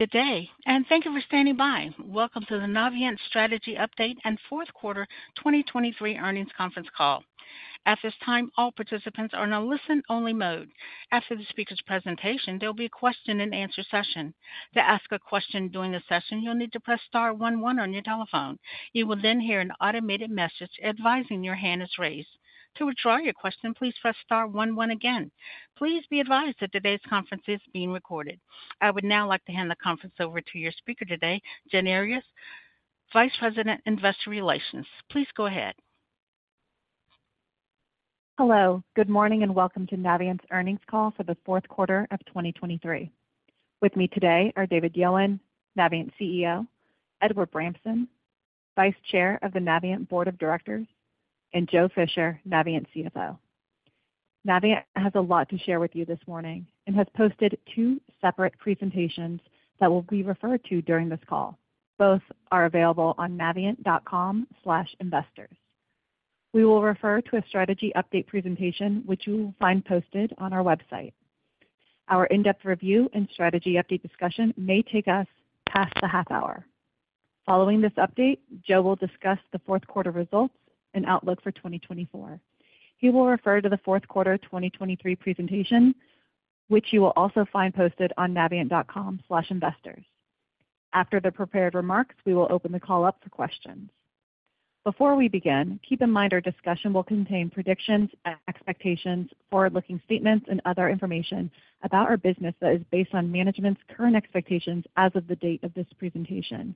Good day, and thank you for standing by. Welcome to the Navient Strategy Update and fourth quarter 2023 earnings conference call. At this time, all participants are in a listen-only mode. After the speaker's presentation, there will be a question-and-answer session. To ask a question during the session, you'll need to press star one one on your telephone. You will then hear an automated message advising your hand is raised. To withdraw your question, please press star one one again. Please be advised that today's conference is being recorded. I would now like to hand the conference over to your speaker today, Jen Earyes, Vice President, Investor Relations. Please go ahead. Hello, good morning, and welcome to Navient's earnings call for the fourth quarter of 2023. With me today are David Yowan, Navient's CEO, Edward Bramson, Vice Chair of the Navient Board of Directors, and Joe Fisher, Navient's CFO. Navient has a lot to share with you this morning and has posted two separate presentations that will be referred to during this call. Both are available on navient.com/investors. We will refer to a strategy update presentation, which you will find posted on our website. Our in-depth review and strategy update discussion may take us past the half hour. Following this update, Joe will discuss the fourth quarter results and outlook for 2024. He will refer to the fourth quarter 2023 presentation, which you will also find posted on navient.com/investors. After the prepared remarks, we will open the call up for questions. Before we begin, keep in mind our discussion will contain predictions, expectations, forward-looking statements, and other information about our business that is based on management's current expectations as of the date of this presentation.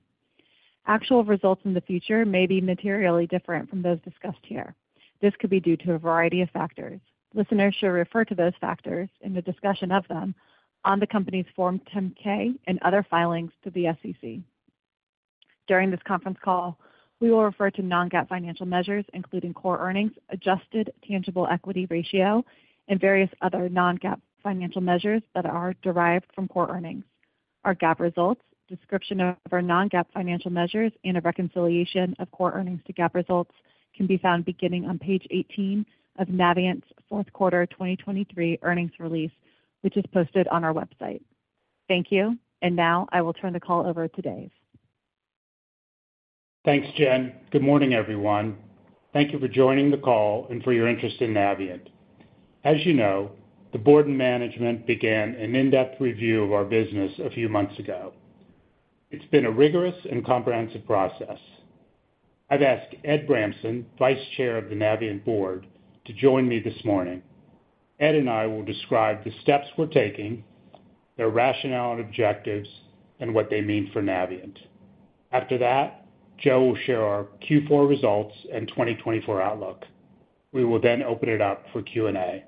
Actual results in the future may be materially different from those discussed here. This could be due to a variety of factors. Listeners should refer to those factors and the discussion of them on the company's Form 10-K and other filings to the SEC. During this conference call, we will refer to non-GAAP financial measures, including Core Earnings, Adjusted Tangible Equity Ratio, and various other non-GAAP financial measures that are derived from Core Earnings. Our GAAP results, description of our non-GAAP financial measures, and a reconciliation of Core Earnings to GAAP results can be found beginning on page 18 of Navient's fourth quarter 2023 earnings release, which is posted on our website. Thank you. Now I will turn the call over to Dave. Thanks, Jen. Good morning, everyone. Thank you for joining the call and for your interest in Navient. As you know, the board and management began an in-depth review of our business a few months ago. It's been a rigorous and comprehensive process. I've asked Ed Bramson, vice chair of the Navient board, to join me this morning. Ed and I will describe the steps we're taking, their rationale and objectives, and what they mean for Navient. After that, Joe will share our Q4 results and 2024 outlook. We will then open it up for Q&A.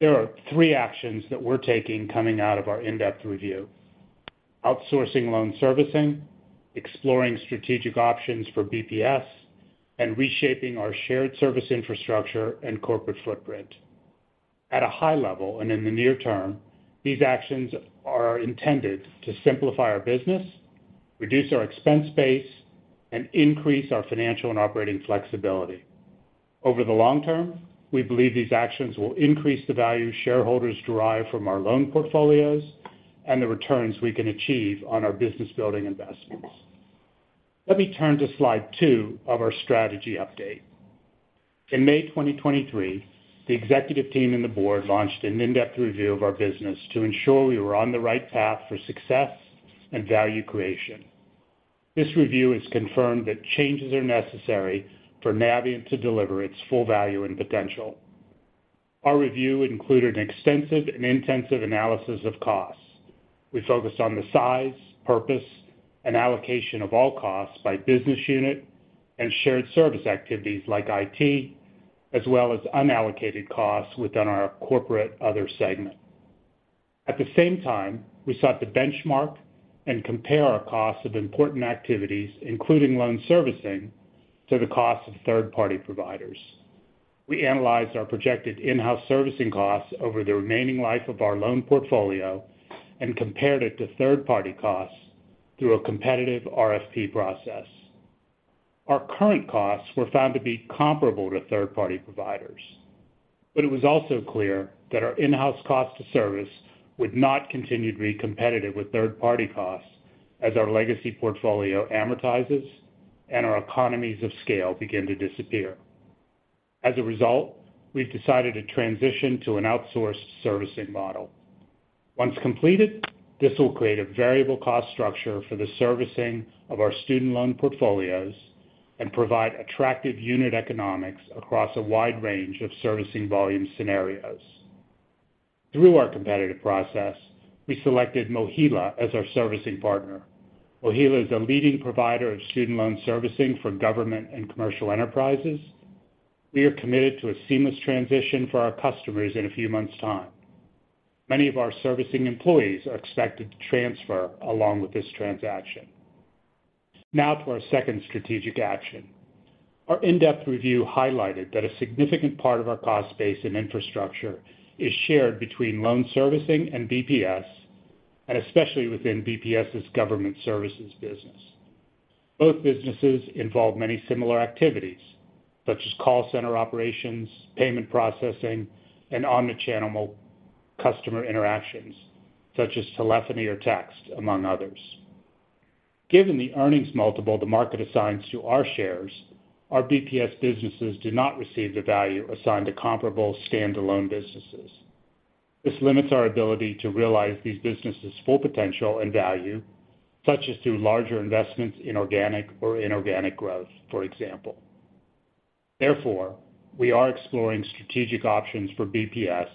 There are three actions that we're taking coming out of our in-depth review: outsourcing loan servicing, exploring strategic options for BPS, and reshaping our shared service infrastructure and corporate footprint. At a high level and in the near term, these actions are intended to simplify our business, reduce our expense base, and increase our financial and operating flexibility. Over the long term, we believe these actions will increase the value shareholders derive from our loan portfolios and the returns we can achieve on our business-building investments. Let me turn to slide 2 of our strategy update. In May 2023, the executive team and the board launched an in-depth review of our business to ensure we were on the right path for success and value creation. This review has confirmed that changes are necessary for Navient to deliver its full value and potential. Our review included an extensive and intensive analysis of costs. We focused on the size, purpose, and allocation of all costs by business unit and shared service activities like IT, as well as unallocated costs within our corporate other segment. At the same time, we sought to benchmark and compare our costs of important activities, including loan servicing, to the cost of third-party providers. We analyzed our projected in-house servicing costs over the remaining life of our loan portfolio and compared it to third-party costs through a competitive RFP process. Our current costs were found to be comparable to third-party providers, but it was also clear that our in-house cost to service would not continue to be competitive with third-party costs as our legacy portfolio amortizes and our economies of scale begin to disappear. As a result, we've decided to transition to an outsourced servicing model. Once completed, this will create a variable cost structure for the servicing of our student loan portfolios and provide attractive unit economics across a wide range of servicing volume scenarios. Through our competitive process, we selected MOHELA as our servicing partner. MOHELA is a leading provider of student loan servicing for government and commercial enterprises. We are committed to a seamless transition for our customers in a few months' time. Many of our servicing employees are expected to transfer along with this transaction. Now to our second strategic action. Our in-depth review highlighted that a significant part of our cost base and infrastructure is shared between loan servicing and BPS, and especially within BPS's government services business. Both businesses involve many similar activities, such as call center operations, payment processing, and omni-channel customer interactions, such as telephony or text, among others. Given the earnings multiple the market assigns to our shares, our BPS businesses do not receive the value assigned to comparable standalone businesses. This limits our ability to realize these businesses' full potential and value, such as through larger investments in organic or inorganic growth, for example. Therefore, we are exploring strategic options for BPS,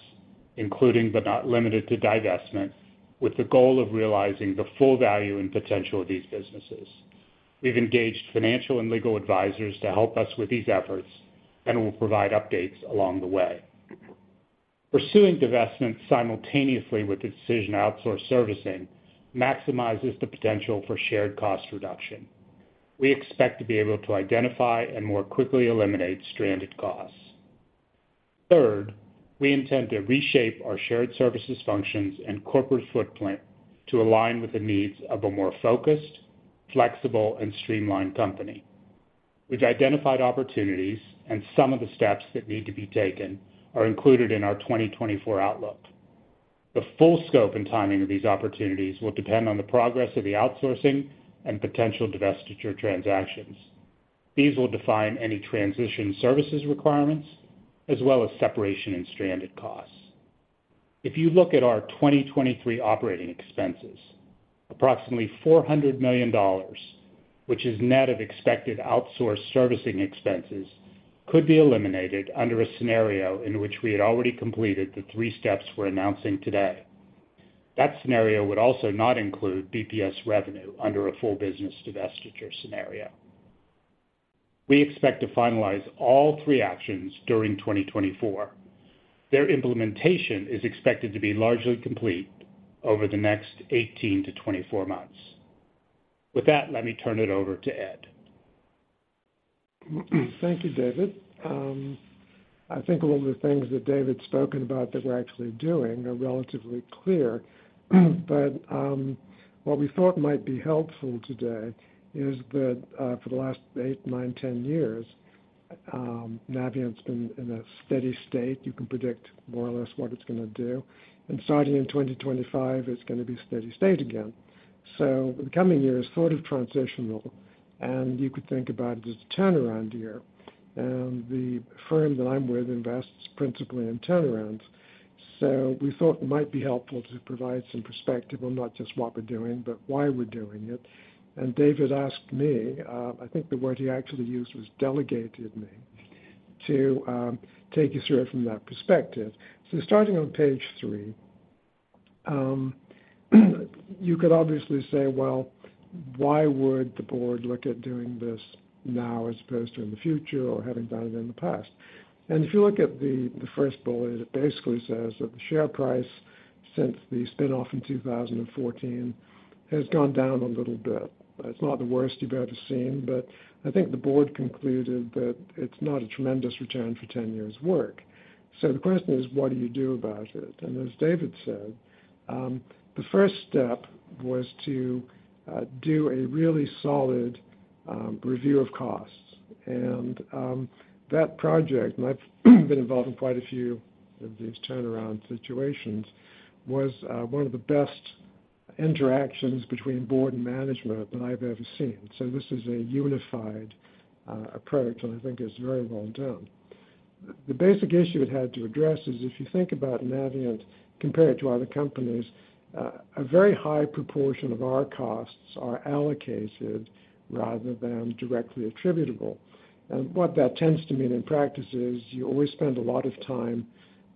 including but not limited to divestment, with the goal of realizing the full value and potential of these businesses. We've engaged financial and legal advisors to help us with these efforts, and we'll provide updates along the way. Pursuing divestment simultaneously with the decision to outsource servicing maximizes the potential for shared cost reduction. We expect to be able to identify and more quickly eliminate stranded costs. Third, we intend to reshape our shared services functions and corporate footprint to align with the needs of a more focused, flexible, and streamlined company. We've identified opportunities, and some of the steps that need to be taken are included in our 2024 outlook. The full scope and timing of these opportunities will depend on the progress of the outsourcing and potential divestiture transactions. These will define any transition services requirements as well as separation and stranded costs. If you look at our 2023 operating expenses, approximately $400 million, which is net of expected outsourced servicing expenses, could be eliminated under a scenario in which we had already completed the three steps we're announcing today. That scenario would also not include BPS revenue under a full business divestiture scenario. We expect to finalize all three actions during 2024. Their implementation is expected to be largely complete over the next 18-24 months. With that, let me turn it over to Ed. Thank you, David. I think a lot of the things that David's spoken about that we're actually doing are relatively clear. But what we thought might be helpful today is that for the last eight, nine, ten years, Navient's been in a steady state. You can predict more or less what it's going to do, and starting in 2025, it's going to be steady state again. So the coming year is sort of transitional, and you could think about it as a turnaround year. And the firm that I'm with invests principally in turnarounds, so we thought it might be helpful to provide some perspective on not just what we're doing, but why we're doing it. And David asked me, I think the word he actually used was delegated me, to take you through it from that perspective. So starting on page three, you could obviously say, "Well, why would the board look at doing this now as opposed to in the future or having done it in the past?" And if you look at the first bullet, it basically says that the share price since the spin-off in 2014 has gone down a little bit. It's not the worst you've ever seen, but I think the board concluded that it's not a tremendous return for 10 years' work. So the question is, what do you do about it? And as David said, the first step was to do a really solid review of costs. And that project, and I've been involved in quite a few of these turnaround situations, was one of the best interactions between board and management that I've ever seen. So this is a unified approach, and I think it's very well done. The basic issue it had to address is, if you think about Navient compared to other companies, a very high proportion of our costs are allocated rather than directly attributable. And what that tends to mean in practice is you always spend a lot of time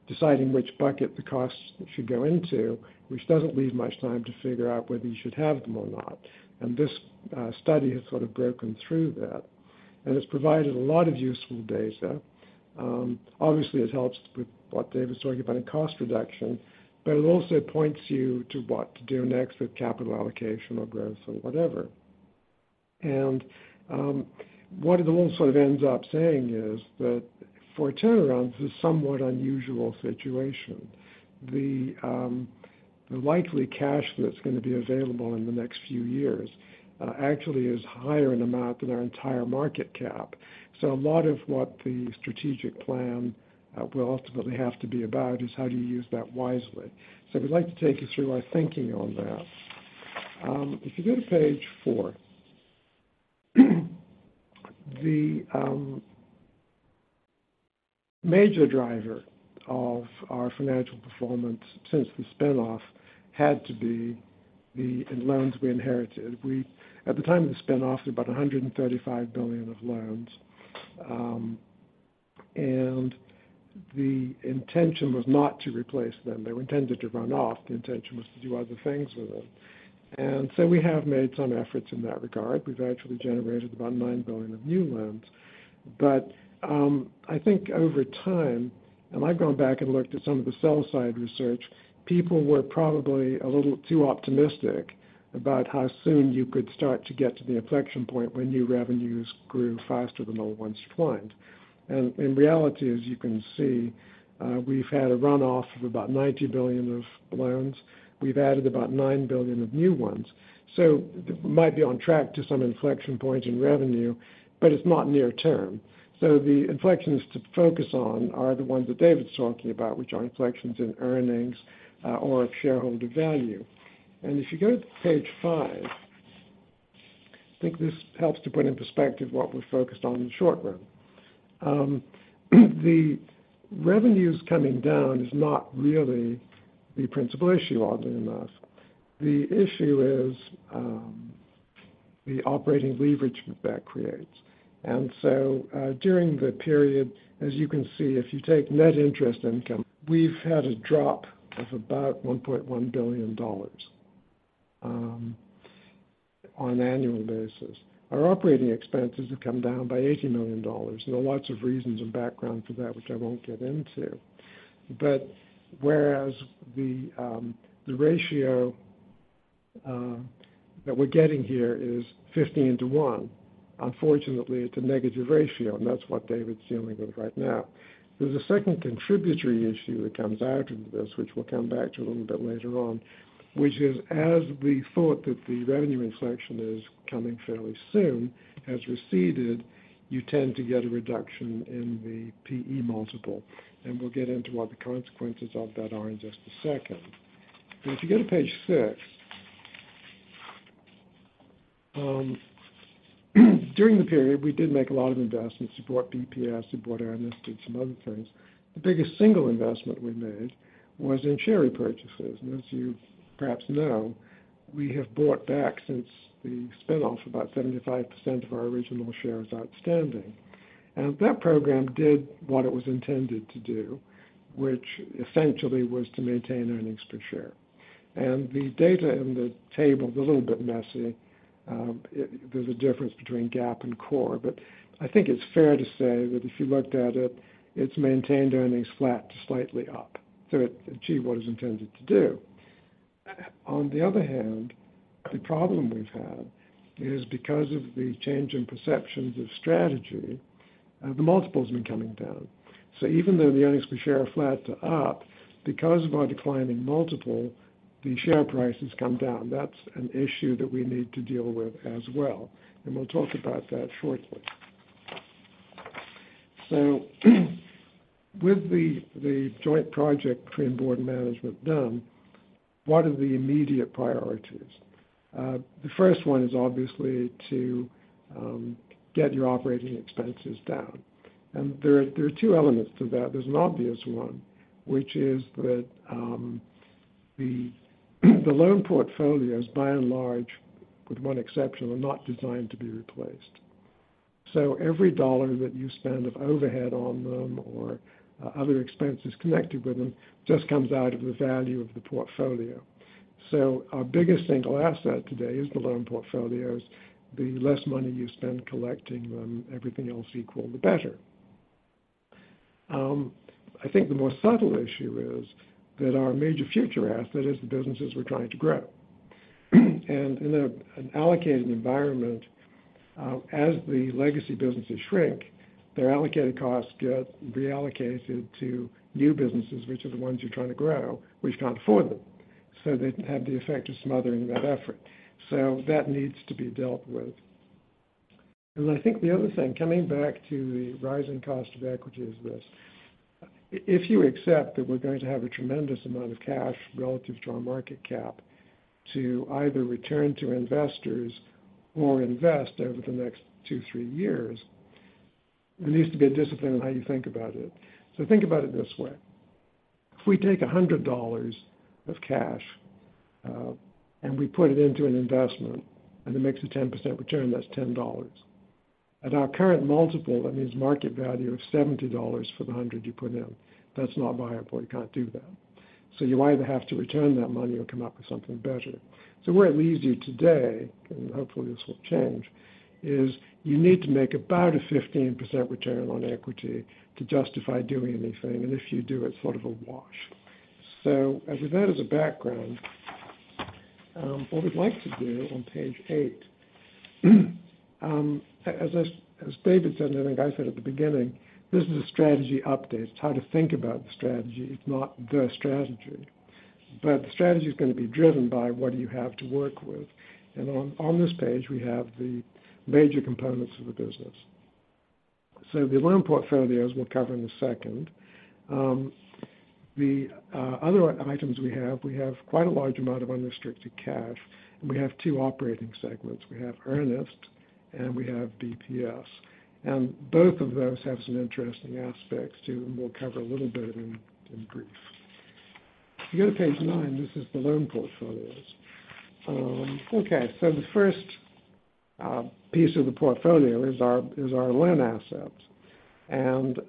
deciding which bucket the costs should go into, which doesn't leave much time to figure out whether you should have them or not. And this study has sort of broken through that, and it's provided a lot of useful data. Obviously, it helps with what David's talking about, in cost reduction, but it also points you to what to do next with capital allocation or growth or whatever. What it all sort of ends up saying is that for turnarounds, this is a somewhat unusual situation. The, the likely cash that's going to be available in the next few years, actually is higher in amount than our entire market cap. So a lot of what the strategic plan, will ultimately have to be about is how do you use that wisely. So we'd like to take you through our thinking on that. If you go to page 4, the, major driver of our financial performance since the spin-off had to be the loans we inherited. At the time of the spin-off, there was about $135 billion of loans, and the intention was not to replace them. They were intended to run off. The intention was to do other things with them. And so we have made some efforts in that regard. We've actually generated about $9 billion of new loans, but I think over time. And I've gone back and looked at some of the sell side research. People were probably a little too optimistic about how soon you could start to get to the inflection point when new revenues grew faster than old ones declined. And in reality, as you can see, we've had a runoff of about $90 billion of loans. We've added about $9 billion of new ones. So we might be on track to some inflection point in revenue, but it's not near term. So the inflections to focus on are the ones that David's talking about, which are inflections in earnings, or shareholder value. If you go to page 5, I think this helps to put in perspective what we're focused on in the short run. The revenues coming down is not really the principal issue underlying this. The issue is the operating leverage that creates. So during the period, as you can see, if you take net interest income, we've had a drop of about $1.1 billion on an annual basis. Our operating expenses have come down by $80 million. There are lots of reasons and background for that, which I won't get into. But whereas the ratio that we're getting here is 15-to-1. Unfortunately, it's a negative ratio, and that's what David's dealing with right now. There's a second contributory issue that comes out of this, which we'll come back to a little bit later on, which is, as we thought that the revenue inflection is coming fairly soon, has receded, you tend to get a reduction in the PE multiple, and we'll get into what the consequences of that are in just a second. And if you go to page 6, during the period, we did make a lot of investments to support BPS, to support Earnest, did some other things. The biggest single investment we made was in share repurchases. And as you perhaps know, we have bought back, since the spin-off, about 75% of our original shares outstanding. And that program did what it was intended to do, which essentially was to maintain earnings per share. And the data in the table is a little bit messy. There's a difference between GAAP and core, but I think it's fair to say that if you looked at it, it's maintained earnings flat to slightly up, so it achieved what it was intended to do. On the other hand, the problem we've had is because of the change in perceptions of strategy, the multiple's been coming down. So even though the earnings per share are flat to up, because of our declining multiple, the share price has come down. That's an issue that we need to deal with as well, and we'll talk about that shortly. So with the joint project between board and management done, what are the immediate priorities? The first one is obviously to get your operating expenses down. And there are two elements to that. There's an obvious one, which is that the loan portfolios, by and large, with one exception, are not designed to be replaced. So every dollar that you spend of overhead on them or other expenses connected with them, just comes out of the value of the portfolio. So our biggest single asset today is the loan portfolios. The less money you spend collecting them, everything else equal, the better. I think the more subtle issue is that our major future asset is the businesses we're trying to grow. And in an allocated environment, as the legacy businesses shrink, their allocated costs get reallocated to new businesses, which are the ones you're trying to grow, which can't afford them. So that needs to be dealt with. I think the other thing, coming back to the rising cost of equity, is this: if you accept that we're going to have a tremendous amount of cash relative to our market cap to either return to investors or invest over the next 2-3 years, there needs to be a discipline on how you think about it. Think about it this way. If we take $100 of cash and we put it into an investment, and it makes a 10% return, that's $10. At our current multiple, that means market value of $70 for the $100 you put in. That's not viable, you can't do that. You either have to return that money or come up with something better. So where it leaves you today, and hopefully this will change, is you need to make about a 15% return on equity to justify doing anything, and if you do, it's sort of a wash. So with that as a background, what we'd like to do on page 8, as David said, and I think I said at the beginning, this is a strategy update. It's how to think about the strategy, it's not the strategy. But the strategy is going to be driven by what you have to work with. On this page, we have the major components of the business. So the loan portfolios we'll cover in a second. The other items we have, we have quite a large amount of unrestricted cash, and we have two operating segments. We have Earnest and we have BPS. And both of those have some interesting aspects, too, and we'll cover a little bit in brief. If you go to page nine, this is the loan portfolios. The first piece of the portfolio is our loan assets. And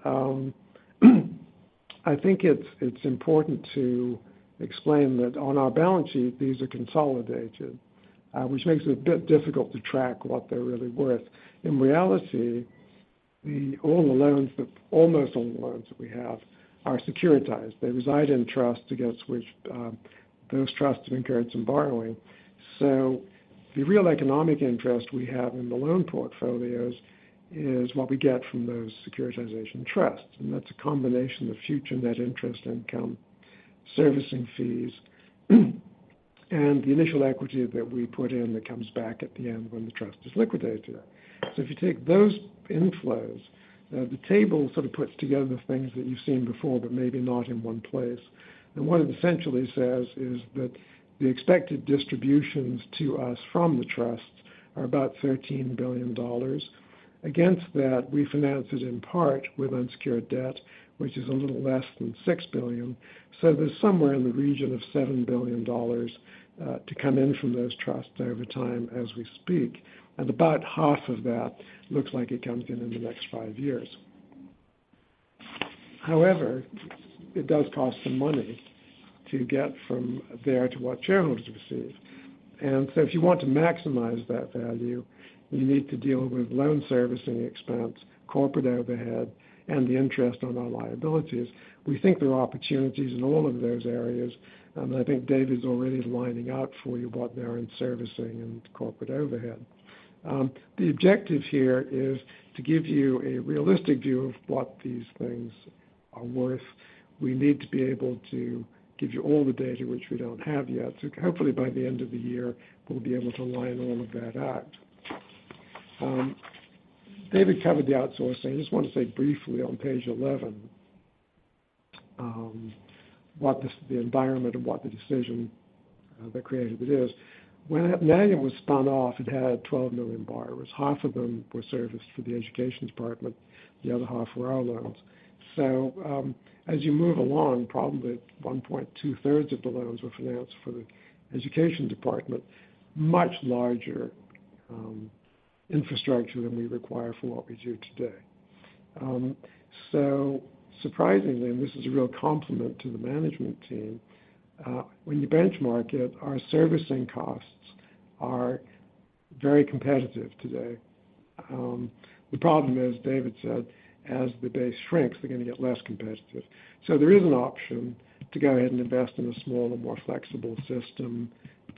I think it's important to explain that on our balance sheet, these are consolidated, which makes it a bit difficult to track what they're really worth. In reality, all the loans, but almost all the loans that we have are securitized. They reside in trust, against which those trusts have incurred some borrowing. So the real economic interest we have in the loan portfolios is what we get from those securitization trusts, and that's a combination of future net interest income, servicing fees, and the initial equity that we put in that comes back at the end when the trust is liquidated. So if you take those inflows, the table sort of puts together things that you've seen before, but maybe not in one place. And what it essentially says is that the expected distributions to us from the trusts are about $13 billion. Against that, we finance it in part with unsecured debt, which is a little less than $6 billion. So there's somewhere in the region of $7 billion, to come in from those trusts over time as we speak, and about half of that looks like it comes in, in the next five years. However, it does cost some money to get from there to what shareholders receive. And so if you want to maximize that value, you need to deal with loan servicing expense, corporate overhead, and the interest on our liabilities. We think there are opportunities in all of those areas, and I think David's already lining out for you what they are in servicing and corporate overhead. The objective here is to give you a realistic view of what these things are worth. We need to be able to give you all the data, which we don't have yet. So hopefully by the end of the year, we'll be able to line all of that out. David covered the outsourcing. I just want to say briefly on page eleven, what this, the environment and what the decision that created it is. When Navient was spun off, it had 12 million borrowers. Half of them were serviced for the Education Department, the other half were our loans. So, as you move along, probably 1 2/3 of the loans were financed for the Education Department, much larger infrastructure than we require for what we do today. So surprisingly, and this is a real compliment to the management team, when you benchmark it, our servicing costs are very competitive today. The problem is, David said, as the base shrinks, they're gonna get less competitive. So there is an option to go ahead and invest in a smaller, more flexible system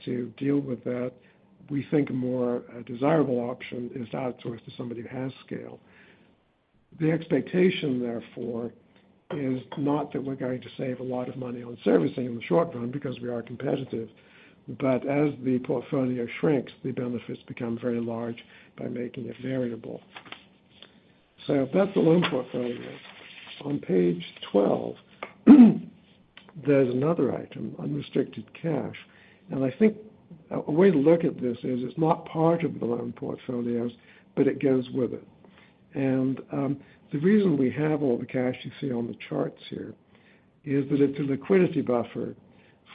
to deal with that. We think a more desirable option is to outsource to somebody who has scale. The expectation, therefore, is not that we're going to save a lot of money on servicing in the short run because we are competitive, but as the portfolio shrinks, the benefits become very large by making it variable. So that's the loan portfolio. On page 12, there's another item, unrestricted cash. And I think a way to look at this is it's not part of the loan portfolios, but it goes with it. And, the reason we have all the cash you see on the charts here is that it's a liquidity buffer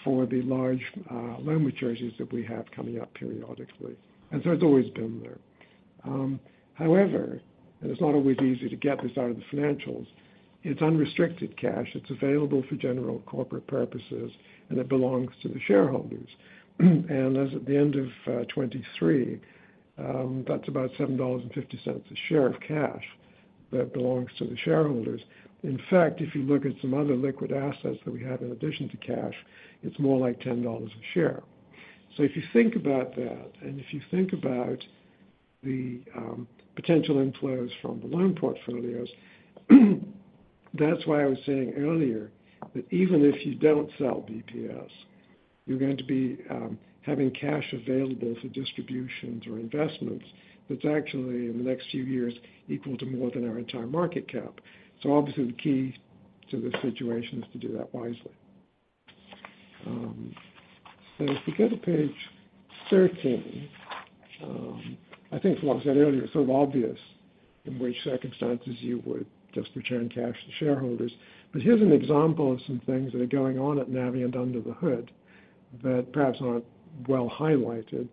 for the large, loan maturities that we have coming up periodically, and so it's always been there. However, and it's not always easy to get this out of the financials, it's unrestricted cash. It's available for general corporate purposes, and it belongs to the shareholders. As at the end of 2023, that's about $7.50 a share of cash that belongs to the shareholders. In fact, if you look at some other liquid assets that we have in addition to cash, it's more like $10 a share. So if you think about that, and if you think about the potential inflows from the loan portfolios, that's why I was saying earlier, that even if you don't sell BPS, you're going to be having cash available for distributions or investments that's actually, in the next few years, equal to more than our entire market cap. So obviously, the key to this situation is to do that wisely. So if you go to page 13, I think from what I said earlier, it's sort of obvious in which circumstances you would just return cash to shareholders. But here's an example of some things that are going on at Navient under the hood that perhaps aren't well highlighted.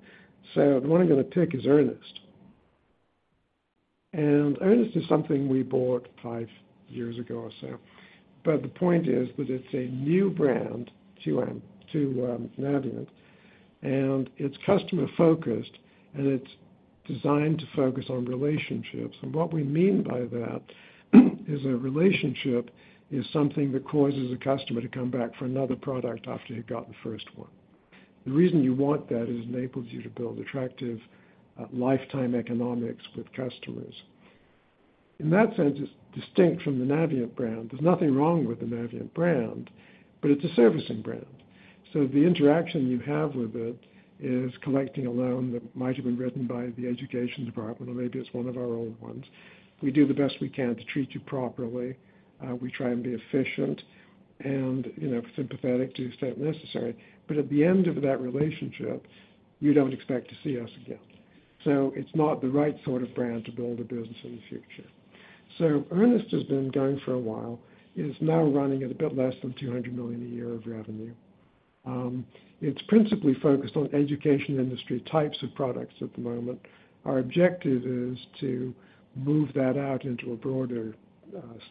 So the one I'm gonna pick is Earnest. And Earnest is something we bought 5 years ago or so, but the point is that it's a new brand to Navient, and it's customer-focused, and it's designed to focus on relationships. And what we mean by that, is a relationship is something that causes a customer to come back for another product after they've got the first one. The reason you want that is it enables you to build attractive lifetime economics with customers. In that sense, it's distinct from the Navient brand. There's nothing wrong with the Navient brand, but it's a servicing brand. So the interaction you have with it is collecting a loan that might have been written by the Education Department, or maybe it's one of our old ones. We do the best we can to treat you properly. We try and be efficient and, you know, sympathetic to the extent necessary. But at the end of that relationship, you don't expect to see us again. So it's not the right sort of brand to build a business in the future. So Earnest has been going for a while. It is now running at a bit less than $200 million a year of revenue. It's principally focused on education industry types of products at the moment. Our objective is to move that out into a broader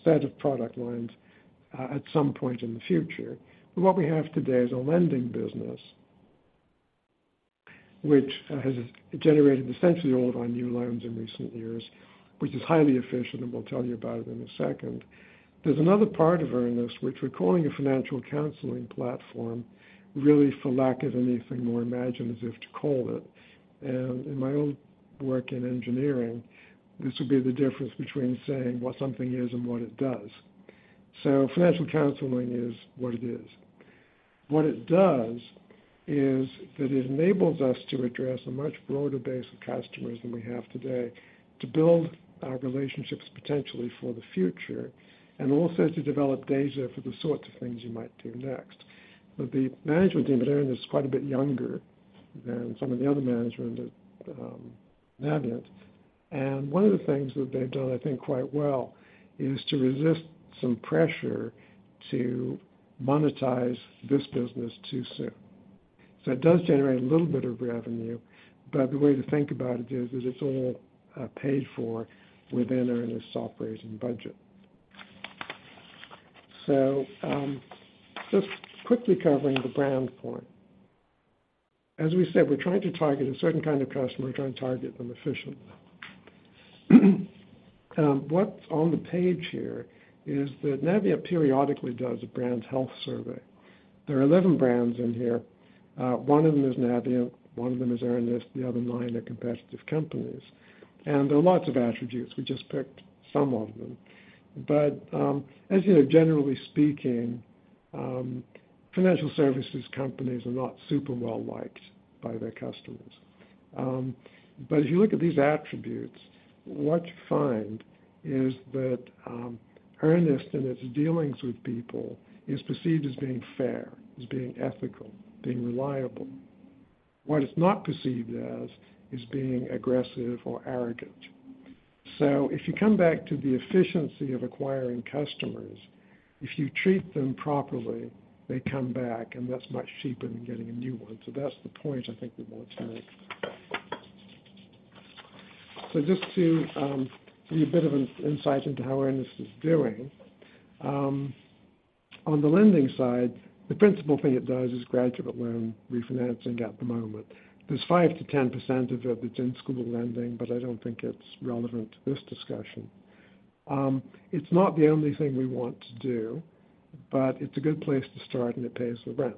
set of product lines at some point in the future. But what we have today is a lending business.... which has generated essentially all of our new loans in recent years, which is highly efficient, and we'll tell you about it in a second. There's another part of Earnest, which we're calling a financial counseling platform, really, for lack of anything more imaginative to call it. And in my own work in engineering, this would be the difference between saying what something is and what it does. So financial counseling is what it is. What it does is that it enables us to address a much broader base of customers than we have today, to build our relationships potentially for the future, and also to develop data for the sorts of things you might do next. But the management team at Earnest is quite a bit younger than some of the other management at Navient. One of the things that they've done, I think, quite well, is to resist some pressure to monetize this business too soon. So it does generate a little bit of revenue, but the way to think about it is, it's all paid for within Earnest's operations budget. So, just quickly covering the brand point. As we said, we're trying to target a certain kind of customer. We're trying to target them efficiently. What's on the page here is that Navient periodically does a brand health survey. There are 11 brands in here. One of them is Navient, one of them is Earnest, the other nine are competitive companies. And there are lots of attributes. We just picked some of them. But, as you know, generally speaking, financial services companies are not super well-liked by their customers. But if you look at these attributes, what you find is that, Earnest, in its dealings with people, is perceived as being fair, as being ethical, being reliable. What it's not perceived as is being aggressive or arrogant. So if you come back to the efficiency of acquiring customers, if you treat them properly, they come back, and that's much cheaper than getting a new one. So that's the point I think we want to make. So just to give you a bit of insight into how Earnest is doing. On the lending side, the principal thing it does is graduate loan refinancing at the moment. There's 5%-10% of it that's in-school lending, but I don't think it's relevant to this discussion. It's not the only thing we want to do, but it's a good place to start, and it pays the rent.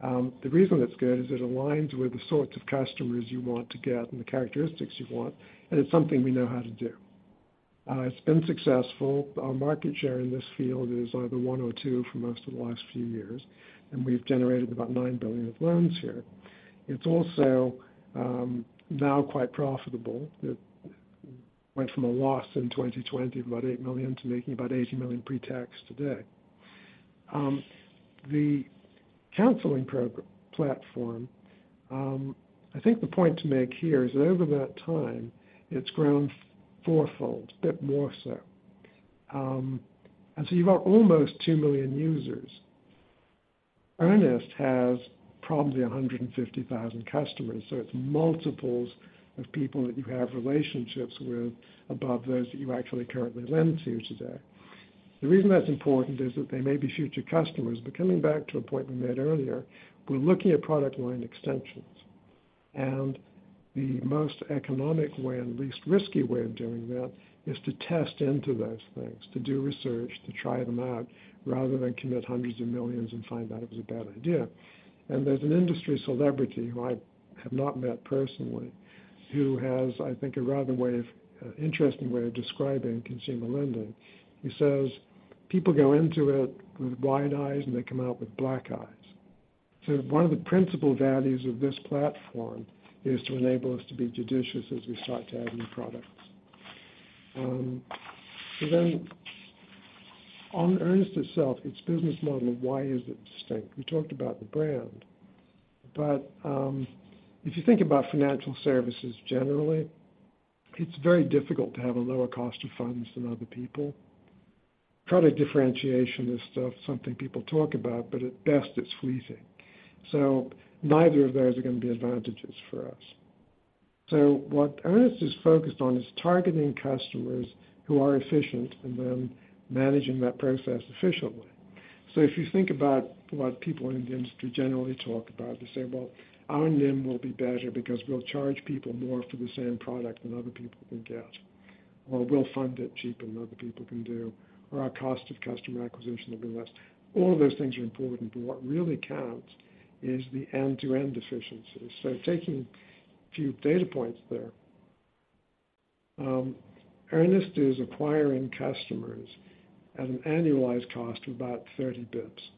The reason it's good is it aligns with the sorts of customers you want to get and the characteristics you want, and it's something we know how to do. It's been successful. Our market share in this field is either one or two for most of the last few years, and we've generated about 9 billion of loans here. It's also now quite profitable. It went from a loss in 2020 of about $8 million to making about $80 million pre-tax today. The counseling platform, I think the point to make here is that over that time, it's grown fourfold, a bit more so. And so you've got almost 2 million users. Earnest has probably 150,000 customers, so it's multiples of people that you have relationships with above those that you actually currently lend to today. The reason that's important is that they may be future customers. But coming back to a point we made earlier, we're looking at product line extensions. And the most economic way and least risky way of doing that is to test into those things, to do research, to try them out, rather than commit $hundreds of millions and find out it was a bad idea. And there's an industry celebrity, who I have not met personally, who has, I think, a rather way of interesting way of describing consumer lending. He says, "People go into it with wide eyes, and they come out with black eyes." So one of the principal values of this platform is to enable us to be judicious as we start to add new products. So then on Earnest itself, its business model, and why is it distinct? We talked about the brand, but, if you think about financial services, generally, it's very difficult to have a lower cost of funds than other people. Product differentiation is still something people talk about, but at best, it's sleazy. So neither of those are going to be advantages for us. So what Earnest is focused on is targeting customers who are efficient and then managing that process efficiently. So if you think about what people in the industry generally talk about, they say, "Well, our NIM will be better because we'll charge people more for the same product than other people can get," or, "We'll fund it cheaper than other people can do," or, "Our cost of customer acquisition will be less." All of those things are important, but what really counts is the end-to-end efficiencies. So taking a few data points there. Earnest is acquiring customers at an annualized cost of about 30 basis points.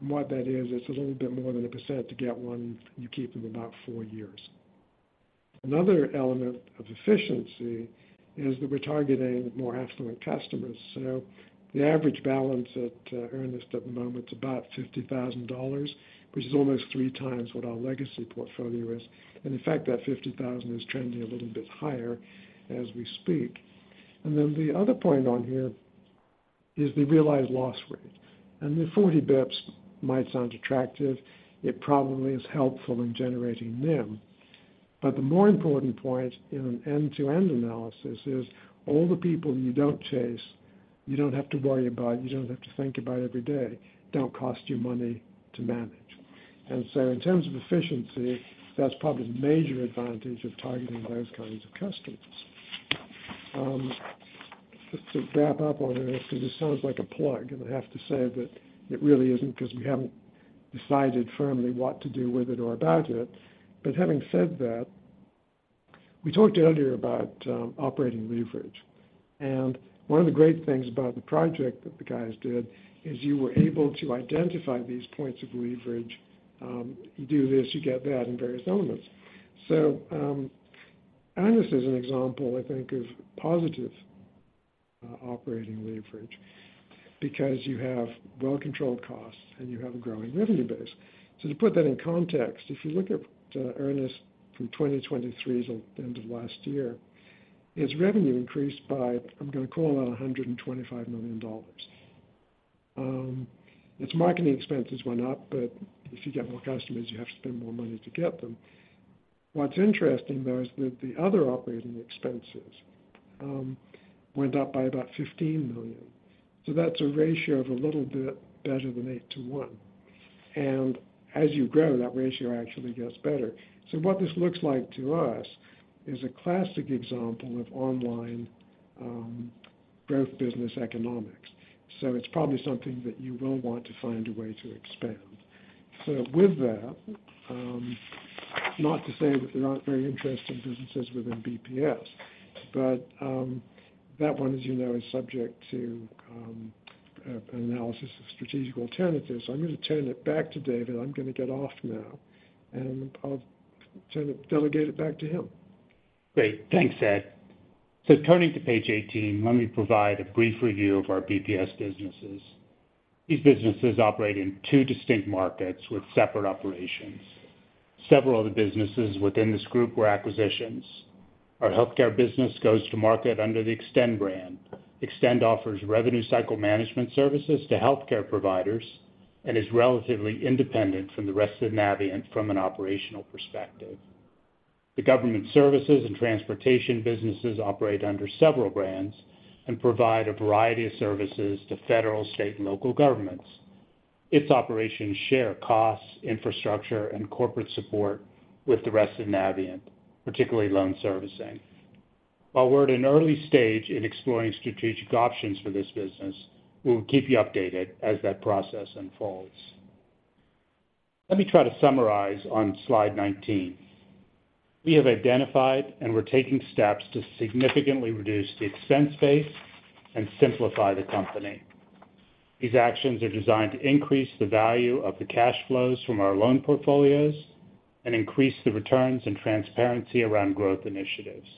And what that is, it's a little bit more than 1% to get one, you keep them about four years. Another element of efficiency is that we're targeting more affluent customers. So the average balance at Earnest at the moment is about $50,000, which is almost 3x what our legacy portfolio is. In fact, that 50,000 is trending a little bit higher as we speak. Then the other point on here is the realized loss rate. And the 40 BPS might sound attractive. It probably is helpful in generating NIM. But the more important point in an end-to-end analysis is all the people you don't chase, you don't have to worry about, you don't have to think about every day, don't cost you money to manage. And so in terms of efficiency, that's probably the major advantage of targeting those kinds of customers. Just to wrap up on this, because this sounds like a plug, and I have to say that it really isn't because we haven't decided firmly what to do with it or about it. But having said that, we talked earlier about operating leverage, and one of the great things about the project that the guys did is you were able to identify these points of leverage. You do this, you get that in various elements. So, and this is an example, I think, of positive operating leverage, because you have well-controlled costs and you have a growing revenue base. So to put that in context, if you look at Earnest from 2023 to the end of last year, its revenue increased by, I'm going to call it $125 million. Its marketing expenses went up, but if you get more customers, you have to spend more money to get them. What's interesting, though, is that the other operating expenses went up by about $15 million. So that's a ratio of a little bit better than 8 to 1. And as you grow, that ratio actually gets better. So what this looks like to us is a classic example of online growth business economics. So it's probably something that you will want to find a way to expand. So with that, not to say that there aren't very interesting businesses within BPS, but that one, as you know, is subject to an analysis of strategic alternatives. So I'm going to turn it back to David. I'm going to get off now, and I'll delegate it back to him. Great. Thanks, Ed. Turning to page 18, let me provide a brief review of our BPS businesses. These businesses operate in two distinct markets with separate operations. Several of the businesses within this group were acquisitions. Our healthcare business goes to market under the Xtend brand. Xtend offers revenue cycle management services to healthcare providers and is relatively independent from the rest of Navient from an operational perspective. The government services and transportation businesses operate under several brands and provide a variety of services to federal, state, and local governments. Its operations share costs, infrastructure, and corporate support with the rest of Navient, particularly loan servicing. While we're at an early stage in exploring strategic options for this business, we will keep you updated as that process unfolds. Let me try to summarize on slide 19. We have identified and we're taking steps to significantly reduce the expense base and simplify the company. These actions are designed to increase the value of the cash flows from our loan portfolios and increase the returns and transparency around growth initiatives.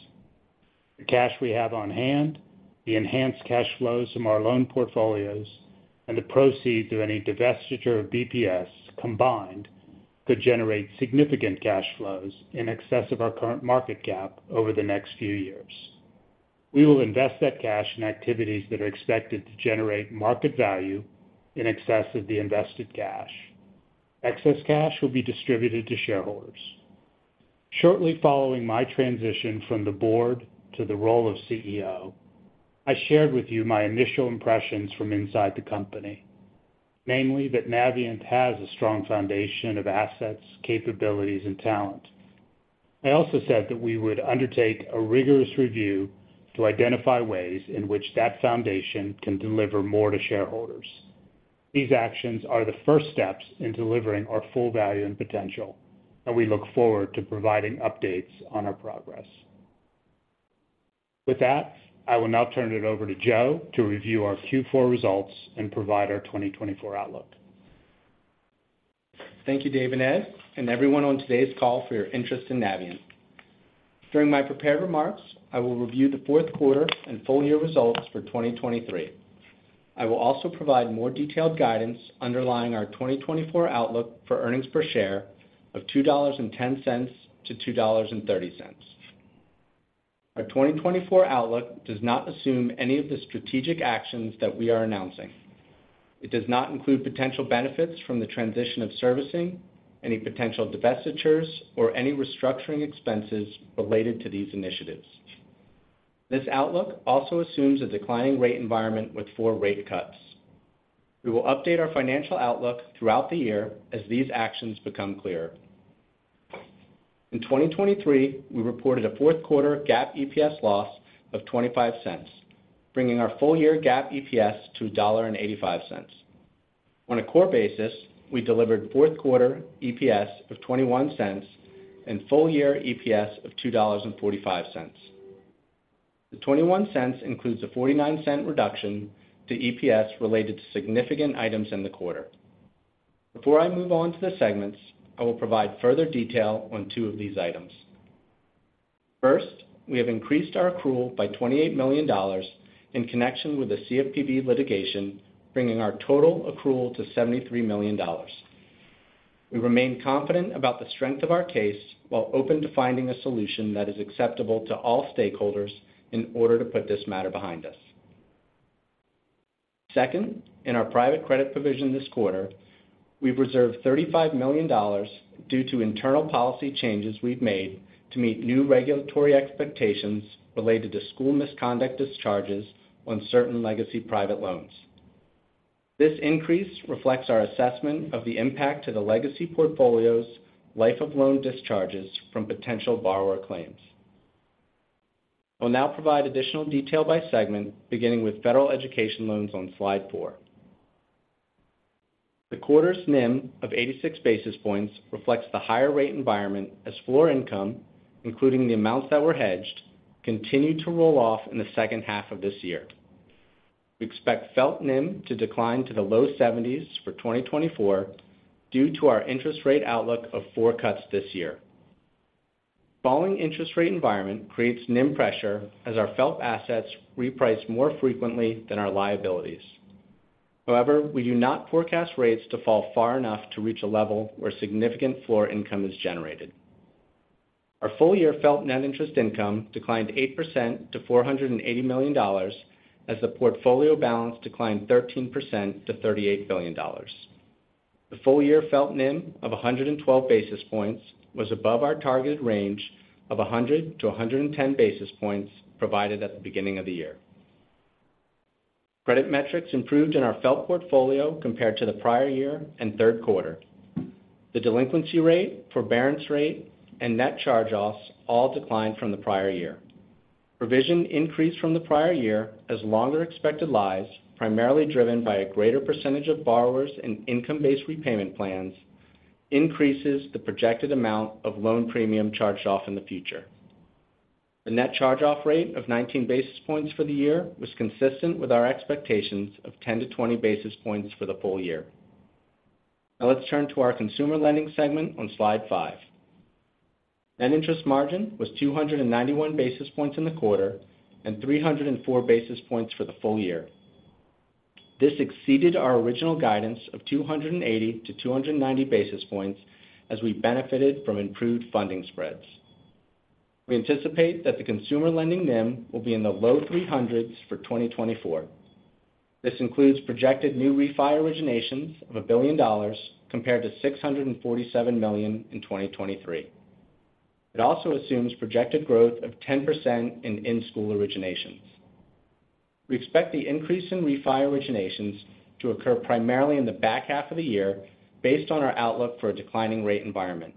The cash we have on hand, the enhanced cash flows from our loan portfolios, and the proceeds of any divestiture of BPS combined, could generate significant cash flows in excess of our current market cap over the next few years. We will invest that cash in activities that are expected to generate market value in excess of the invested cash. Excess cash will be distributed to shareholders. Shortly following my transition from the board to the role of CEO, I shared with you my initial impressions from inside the company, namely, that Navient has a strong foundation of assets, capabilities, and talent. I also said that we would undertake a rigorous review to identify ways in which that foundation can deliver more to shareholders. These actions are the first steps in delivering our full value and potential, and we look forward to providing updates on our progress. With that, I will now turn it over to Joe to review our Q4 results and provide our 2024 outlook. Thank you, Dave and Ed, and everyone on today's call for your interest in Navient. During my prepared remarks, I will review the fourth quarter and full year results for 2023. I will also provide more detailed guidance underlying our 2024 outlook for earnings per share of $2.10-$2.30. Our 2024 outlook does not assume any of the strategic actions that we are announcing. It does not include potential benefits from the transition of servicing, any potential divestitures, or any restructuring expenses related to these initiatives. This outlook also assumes a declining rate environment with 4 rate cuts. We will update our financial outlook throughout the year as these actions become clearer. In 2023, we reported a fourth-quarter GAAP EPS loss of $0.25, bringing our full-year GAAP EPS to $1.85. On a core basis, we delivered fourth-quarter EPS of $0.21 and full-year EPS of $2.45. The $0.21 includes a $0.49 reduction to EPS related to significant items in the quarter. Before I move on to the segments, I will provide further detail on 2 of these items. First, we have increased our accrual by $28 million in connection with the CFPB litigation, bringing our total accrual to $73 million. We remain confident about the strength of our case, while open to finding a solution that is acceptable to all stakeholders in order to put this matter behind us. Second, in our private credit provision this quarter, we've reserved $35 million due to internal policy changes we've made to meet new regulatory expectations related to school misconduct discharges on certain legacy private loans. This increase reflects our assessment of the impact to the legacy portfolio's life of loan discharges from potential borrower claims. I'll now provide additional detail by segment, beginning with federal education loans on slide 4. The quarter's NIM of 86 basis points reflects the higher rate environment as floor income, including the amounts that were hedged, continued to roll off in the second half of this year. We expect FFELP NIM to decline to the low 70s for 2024 due to our interest rate outlook of 4 cuts this year. Falling interest rate environment creates NIM pressure as our FFELP assets reprice more frequently than our liabilities. However, we do not forecast rates to fall far enough to reach a level where significant floor income is generated. Our full-year FFELP net interest income declined 8% to $480 million, as the portfolio balance declined 13% to $38 billion. The full-year FFELP NIM of 112 basis points was above our targeted range of 100-110 basis points provided at the beginning of the year. Credit metrics improved in our FFELP portfolio compared to the prior year and third quarter. The delinquency rate, forbearance rate, and net charge-offs all declined from the prior year. Provision increased from the prior year as longer expected lives, primarily driven by a greater percentage of borrowers in income-based repayment plans, increases the projected amount of loan premium charged off in the future. The net charge-off rate of 19 basis points for the year was consistent with our expectations of 10-20 basis points for the full year. Now let's turn to our consumer lending segment on Slide 5. Net interest margin was 291 basis points in the quarter and 304 basis points for the full year. This exceeded our original guidance of 280-290 basis points, as we benefited from improved funding spreads. We anticipate that the consumer lending NIM will be in the low 300s for 2024. This includes projected new refi originations of $1 billion, compared to $647 million in 2023. It also assumes projected growth of 10% in in-school originations. We expect the increase in refi originations to occur primarily in the back half of the year, based on our outlook for a declining rate environment.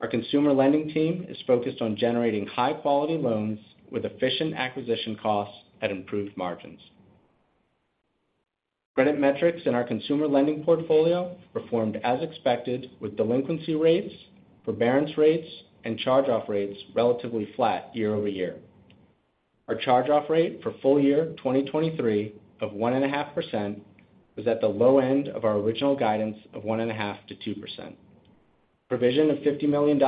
Our consumer lending team is focused on generating high-quality loans with efficient acquisition costs at improved margins. Credit metrics in our consumer lending portfolio performed as expected, with delinquency rates, forbearance rates, and charge-off rates relatively flat year over year. Our charge-off rate for full year 2023 of 1.5% was at the low end of our original guidance of 1.5%-2%. Provision of $50 million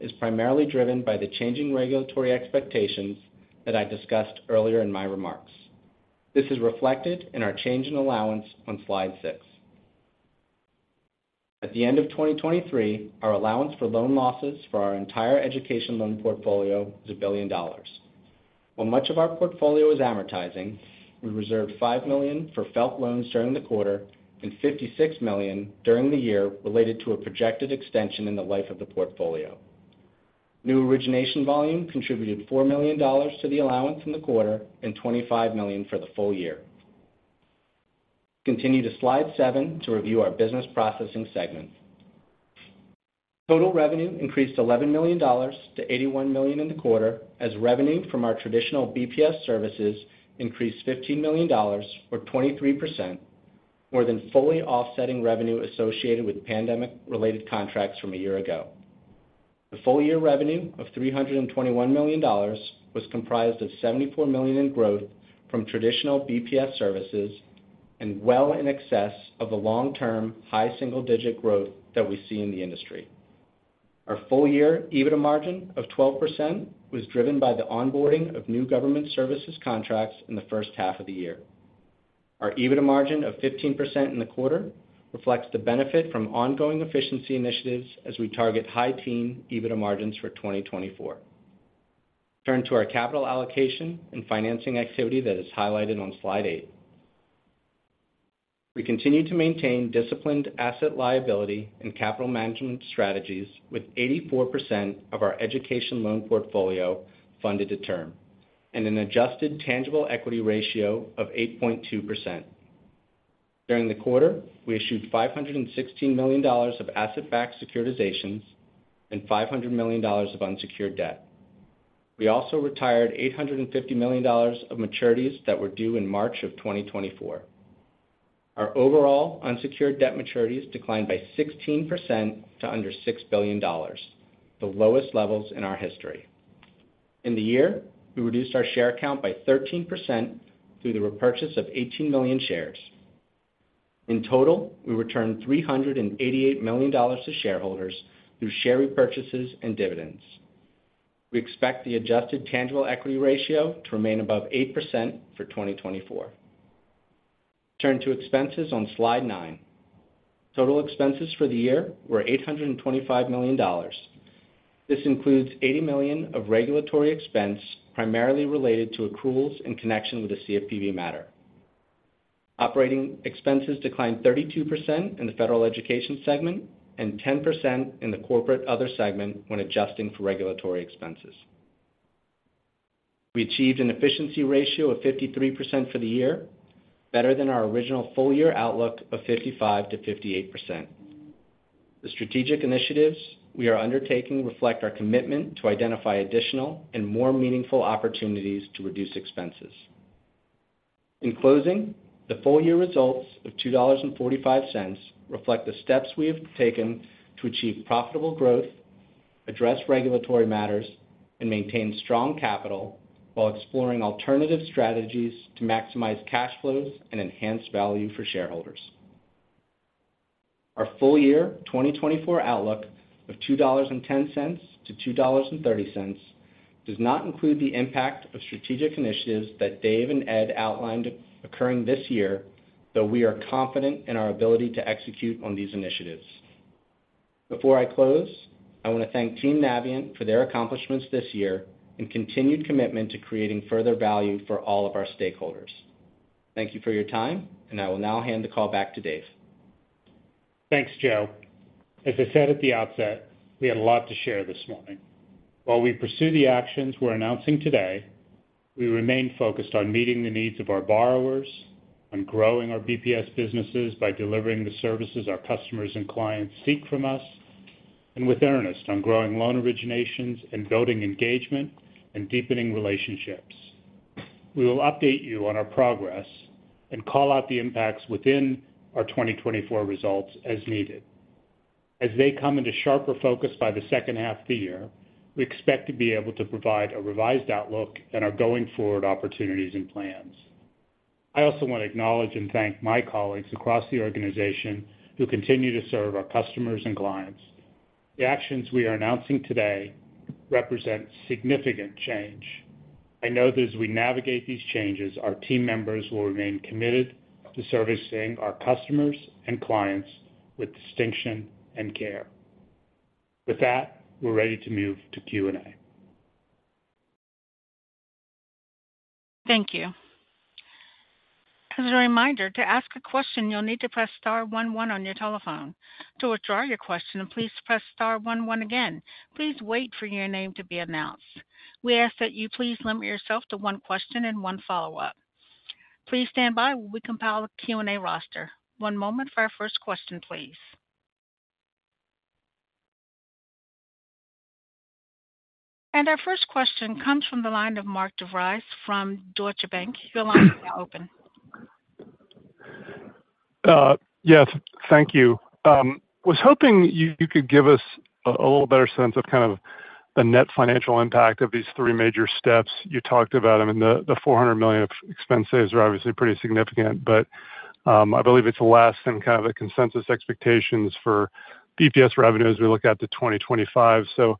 is primarily driven by the changing regulatory expectations that I discussed earlier in my remarks. This is reflected in our change in allowance on Slide 6. At the end of 2023, our allowance for loan losses for our entire education loan portfolio was $1 billion. While much of our portfolio is amortizing, we reserved $5 million for FFELP loans during the quarter and $56 million during the year related to a projected extension in the life of the portfolio. New origination volume contributed $4 million to the allowance in the quarter and $25 million for the full year. Continue to Slide 7 to review our business processing segment. Total revenue increased $11 million to $81 million in the quarter, as revenue from our traditional BPS services increased $15 million, or 23%, more than fully offsetting revenue associated with pandemic-related contracts from a year ago. The full-year revenue of $321 million was comprised of $74 million in growth from traditional BPS services and well in excess of the long-term, high single-digit growth that we see in the industry. Our full-year EBITDA margin of 12% was driven by the onboarding of new government services contracts in the first half of the year. Our EBITDA margin of 15% in the quarter reflects the benefit from ongoing efficiency initiatives as we target high teen EBITDA margins for 2024. Turn to our capital allocation and financing activity that is highlighted on Slide 8. We continue to maintain disciplined asset liability and capital management strategies, with 84% of our education loan portfolio funded to term and an adjusted tangible equity ratio of 8.2%. During the quarter, we issued $516 million of asset-backed securitizations and $500 million of unsecured debt. We also retired $850 million of maturities that were due in March of 2024. Our overall unsecured debt maturities declined by 16% to under $6 billion, the lowest levels in our history. In the year, we reduced our share count by 13% through the repurchase of 18 million shares. In total, we returned $388 million to shareholders through share repurchases and dividends. We expect the adjusted tangible equity ratio to remain above 8% for 2024. Turn to expenses on Slide 9. Total expenses for the year were $825 million. This includes $80 million of regulatory expense, primarily related to accruals in connection with the CFPB matter. Operating expenses declined 32% in the federal education segment and 10% in the corporate other segment when adjusting for regulatory expenses. We achieved an efficiency ratio of 53% for the year, better than our original full-year outlook of 55%-58%. The strategic initiatives we are undertaking reflect our commitment to identify additional and more meaningful opportunities to reduce expenses. In closing, the full-year results of $2.45 reflect the steps we have taken to achieve profitable growth, address regulatory matters, and maintain strong capital while exploring alternative strategies to maximize cash flows and enhance value for shareholders. Our full-year 2024 outlook of $2.10-$2.30 does not include the impact of strategic initiatives that Dave and Ed outlined occurring this year, though we are confident in our ability to execute on these initiatives. Before I close, I want to thank Team Navient for their accomplishments this year and continued commitment to creating further value for all of our stakeholders. Thank you for your time, and I will now hand the call back to Dave. Thanks, Joe. As I said at the outset, we had a lot to share this morning. While we pursue the actions we're announcing today, we remain focused on meeting the needs of our borrowers, on growing our BPS businesses by delivering the services our customers and clients seek from us, and with Earnest on growing loan originations and building engagement and deepening relationships. We will update you on our progress and call out the impacts within our 2024 results as needed. As they come into sharper focus by the second half of the year, we expect to be able to provide a revised outlook and our going-forward opportunities and plans. I also want to acknowledge and thank my colleagues across the organization who continue to serve our customers and clients. The actions we are announcing today represent significant change. I know that as we navigate these changes, our team members will remain committed to servicing our customers and clients with distinction and care. With that, we're ready to move to Q&A. Thank you. As a reminder, to ask a question, you'll need to press star one one on your telephone. To withdraw your question, please press star one one again. Please wait for your name to be announced. We ask that you please limit yourself to one question and one follow-up. Please stand by while we compile the Q&A roster. One moment for our first question, please. Our first question comes from the line of Mark DeVries from Deutsche Bank. Your line is now open. Yes, thank you. I was hoping you could give us a little better sense of kind of the net financial impact of these three major steps you talked about. I mean, the $400 million of expense saves are obviously pretty significant, but I believe it's less than kind of the consensus expectations for BPS revenue as we look out to 2025. So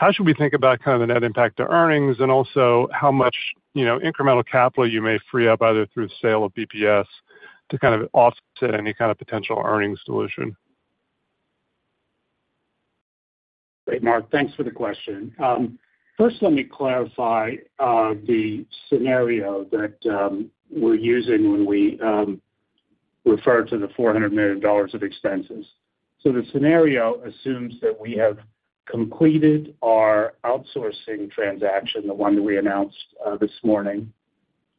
how should we think about kind of the net impact to earnings? And also how much, you know, incremental capital you may free up, either through the sale of BPS, to kind of offset any kind of potential earnings dilution? Great, Mark. Thanks for the question. First, let me clarify the scenario that we're using when we refer to the $400 million of expenses. So the scenario assumes that we have completed our outsourcing transaction, the one that we announced this morning.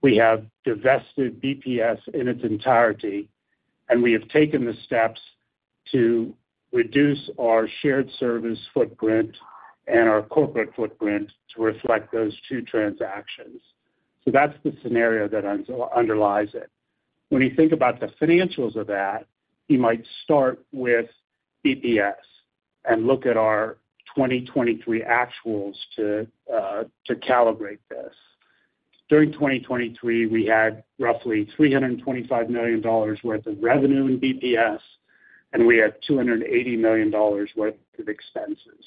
We have divested BPS in its entirety, and we have taken the steps to reduce our shared service footprint and our corporate footprint to reflect those two transactions. So that's the scenario that underlies it. When you think about the financials of that, you might start with BPS and look at our 2023 actuals to calibrate this. During 2023, we had roughly $325 million worth of revenue in BPS, and we had $280 million worth of expenses.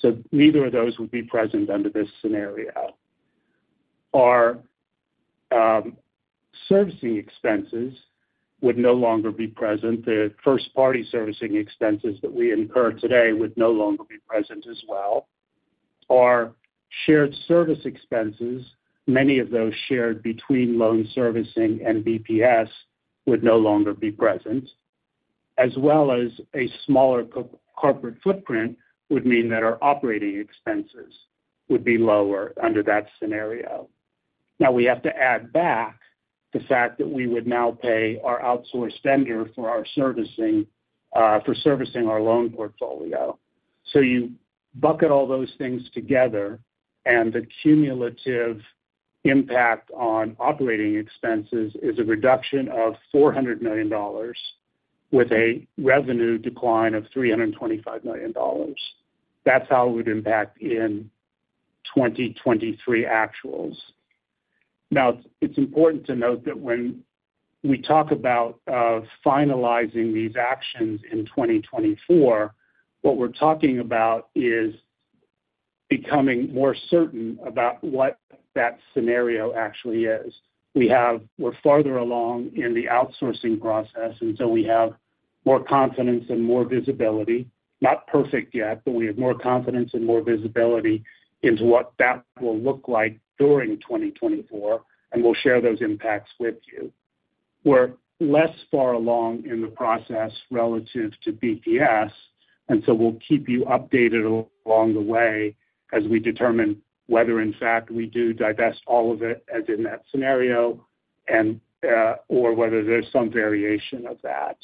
So neither of those would be present under this scenario. Our servicing expenses would no longer be present. The first-party servicing expenses that we incur today would no longer be present as well. Our shared service expenses, many of those shared between loan servicing and BPS, would no longer be present, as well as a smaller corporate footprint would mean that our operating expenses would be lower under that scenario. Now, we have to add back the fact that we would now pay our outsourced vendor for our servicing for servicing our loan portfolio. So you bucket all those things together, and the cumulative impact on operating expenses is a reduction of $400 million with a revenue decline of $325 million. That's how it would impact in 2023 actuals. Now, it's important to note that when we talk about finalizing these actions in 2024, what we're talking about is becoming more certain about what that scenario actually is. We're farther along in the outsourcing process, and so we have more confidence and more visibility. Not perfect yet, but we have more confidence and more visibility into what that will look like during 2024, and we'll share those impacts with you. We're less far along in the process relative to BPS, and so we'll keep you updated along the way as we determine whether, in fact, we do divest all of it, as in that scenario, and or whether there's some variation of that.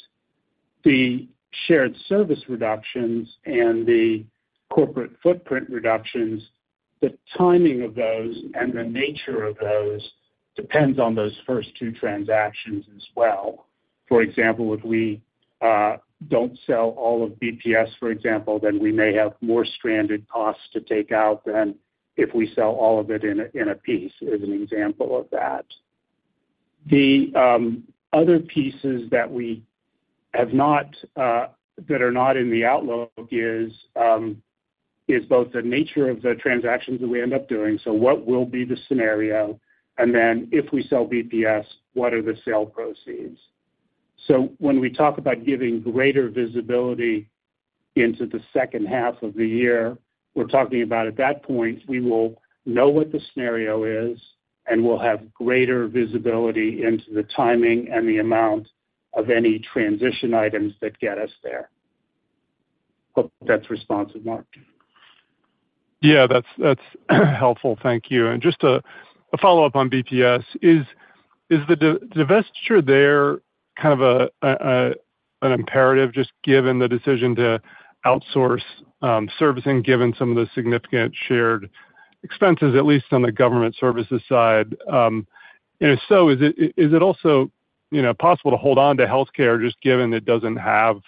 The shared service reductions and the corporate footprint reductions, the timing of those and the nature of those depends on those first two transactions as well. For example, if we don't sell all of BPS, for example, then we may have more stranded costs to take out than if we sell all of it in a piece, as an example of that. The other pieces that are not in the outlook is both the nature of the transactions that we end up doing. So what will be the scenario? And then if we sell BPS, what are the sale proceeds? So when we talk about giving greater visibility into the second half of the year, we're talking about, at that point, we will know what the scenario is, and we'll have greater visibility into the timing and the amount of any transition items that get us there. Hope that's responsive, Mark. Yeah, that's, that's helpful. Thank you. And just a follow-up on BPS: Is the divestiture there kind of an imperative, just given the decision to outsource servicing, given some of the significant shared expenses, at least on the government services side? And if so, is it also, you know, possible to hold on to healthcare, just given it doesn't have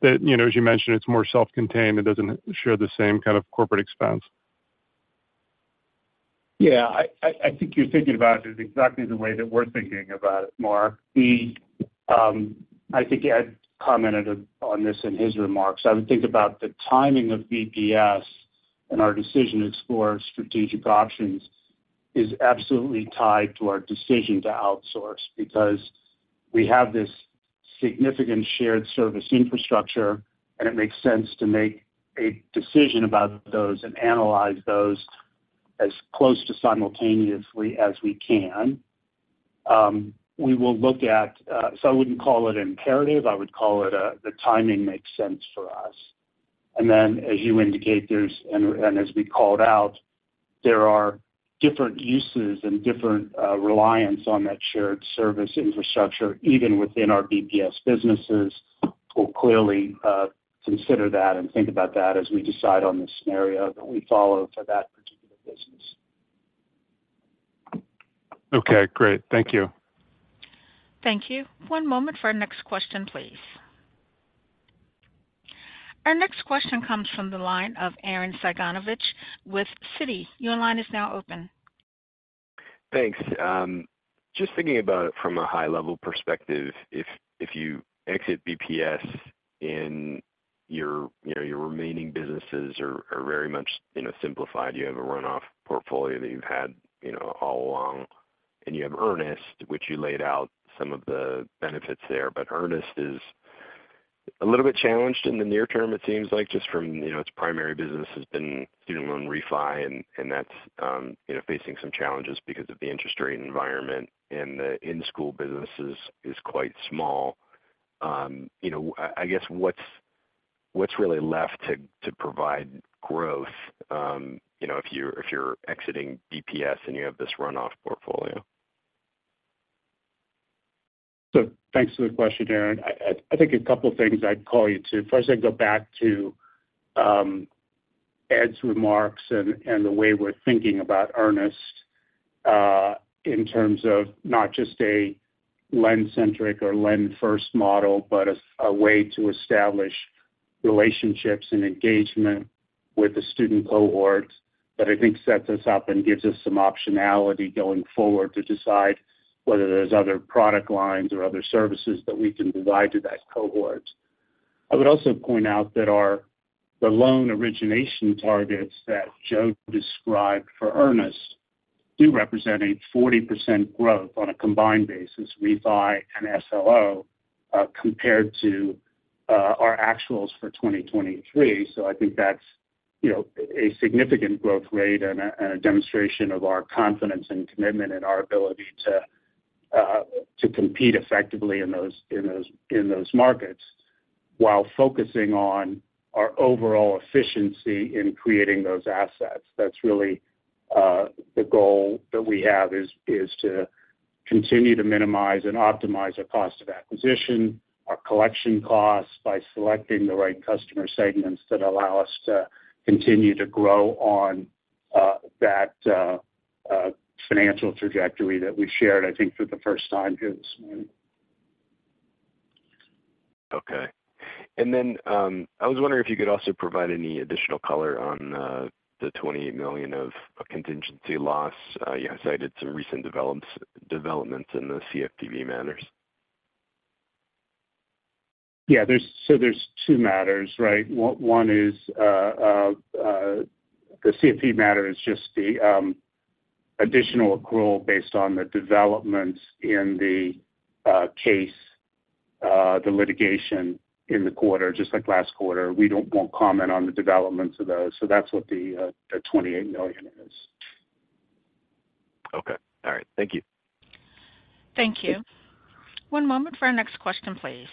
the... You know, as you mentioned, it's more self-contained. It doesn't share the same kind of corporate expense. Yeah. I think you're thinking about it exactly the way that we're thinking about it, Mark. The, I think Ed commented on this in his remarks. I would think about the timing of BPS and our decision to explore strategic options is absolutely tied to our decision to outsource, because we have this significant shared service infrastructure, and it makes sense to make a decision about those and analyze those as close to simultaneously as we can. We will look at... So I wouldn't call it imperative, I would call it, the timing makes sense for us. And then, as you indicate, there's, and as we called out, there are different uses and different reliance on that shared service infrastructure, even within our BPS businesses. We'll clearly consider that and think about that as we decide on the scenario that we follow for that particular business. Okay, great. Thank you. Thank you. One moment for our next question, please. Our next question comes from the line of Arren Cyganovich with Citi. Your line is now open. Thanks. Just thinking about it from a high-level perspective, if you exit BPS and your, you know, your remaining businesses are very much, you know, simplified, you have a runoff portfolio that you've had, you know, all along, and you have Earnest, which you laid out some of the benefits there. But Earnest is a little bit challenged in the near term, it seems like, just from, you know, its primary business has been student loan refi, and that's, you know, facing some challenges because of the interest rate environment, and the in-school businesses is quite small. You know, I guess what's really left to provide growth, you know, if you're exiting BPS and you have this runoff portfolio? So thanks for the question, Aaron. I think a couple things I'd call you to. First, I'd go back to Ed's remarks and the way we're thinking about Earnest in terms of not just a lend-centric or lend-first model, but a way to establish relationships and engagement with the student cohorts that I think sets us up and gives us some optionality going forward to decide whether there's other product lines or other services that we can provide to that cohort. I would also point out that our the loan origination targets that Joe described for Earnest do represent a 40% growth on a combined basis, refi and SLO, compared to our actuals for 2023. So I think that's, you know, a significant growth rate and a demonstration of our confidence and commitment and our ability to compete effectively in those markets, while focusing on our overall efficiency in creating those assets. That's really the goal that we have, is to continue to minimize and optimize our cost of acquisition, our collection costs, by selecting the right customer segments that allow us to continue to grow on that financial trajectory that we shared, I think, for the first time this morning. Okay. And then, I was wondering if you could also provide any additional color on the $20 million of contingency loss. You had cited some recent developments in the CFPB matters. Yeah, there's, so there's two matters, right? One is the CFPB matter is just the additional accrual based on the developments in the case, the litigation in the quarter, just like last quarter. We won't comment on the developments of those, so that's what the $28 million is. Okay. All right, thank you. Thank you. One moment for our next question, please.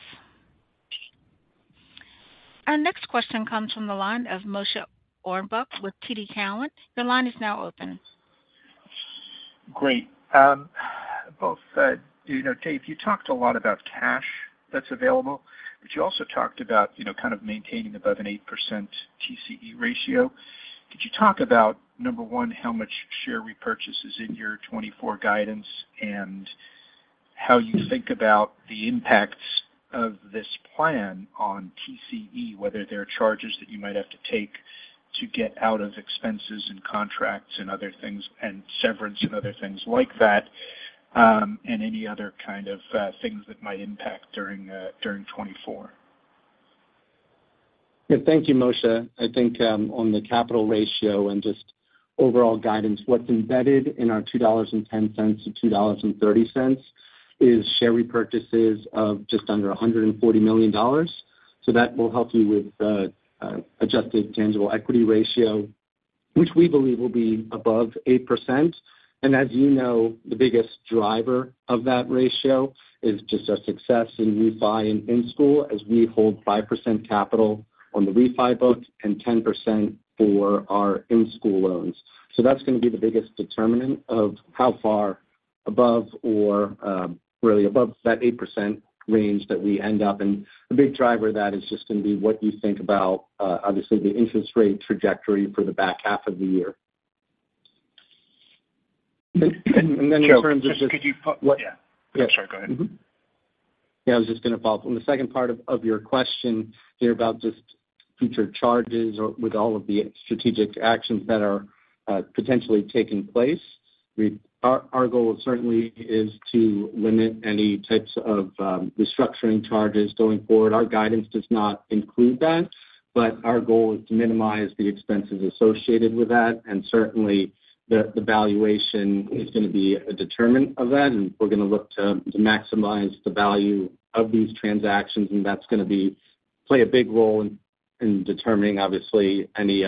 Our next question comes from the line of Moshe Orenbuch with TD Cowen. Your line is now open. Great. Both, you know, Dave, you talked a lot about cash that's available, but you also talked about, you know, kind of maintaining above an 8% TCE ratio. Could you talk about, number one, how much share repurchase is in your 2024 guidance, and how you think about the impacts of this plan on TCE? Whether there are charges that you might have to take to get out of expenses and contracts and other things, and severance and other things like that, and any other kind of things that might impact during 2024. Yeah. Thank you, Moshe. I think, on the capital ratio and just overall guidance, what's embedded in our $2.10-$2.30 is share repurchases of just under $140 million. So that will help you with the, adjusted tangible equity ratio, which we believe will be above 8%. And as you know, the biggest driver of that ratio is just our success in refi and in-school, as we hold 5% capital on the refi books and 10% for our in-school loans. So that's going to be the biggest determinant of how far above or, really above that 8% range that we end up. And the big driver of that is just going to be what you think about, obviously, the interest rate trajectory for the back half of the year. And then in terms of just- Could you-- What? Yeah. Yeah. Sorry, go ahead. Mm-hmm. Yeah, I was just going to follow up. On the second part of your question here about just future charges or with all of the strategic actions that are potentially taking place, our goal certainly is to limit any types of restructuring charges going forward. Our guidance does not include that, but our goal is to minimize the expenses associated with that, and certainly the valuation is going to be a determinant of that, and we're going to look to maximize the value of these transactions, and that's going to play a big role in determining obviously any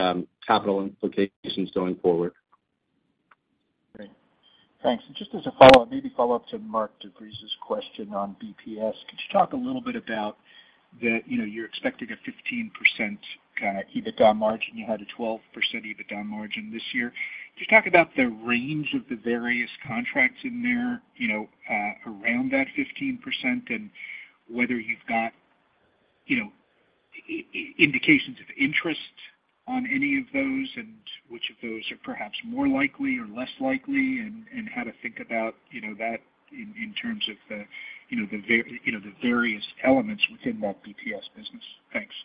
capital implications going forward. Great. Thanks. And just as a follow-up, maybe follow-up to Mark DeVries's question on BPS. Could you talk a little bit about the, you know, you're expecting a 15% kind of EBITDA margin. You had a 12% EBITDA margin this year. Could you talk about the range of the various contracts in there, you know, around that 15%, and whether you've got, you know, indications of interest on any of those, and which of those are perhaps more likely or less likely, and, and how to think about, you know, that in, in terms of the, you know, the various elements within that BPS business? Thanks.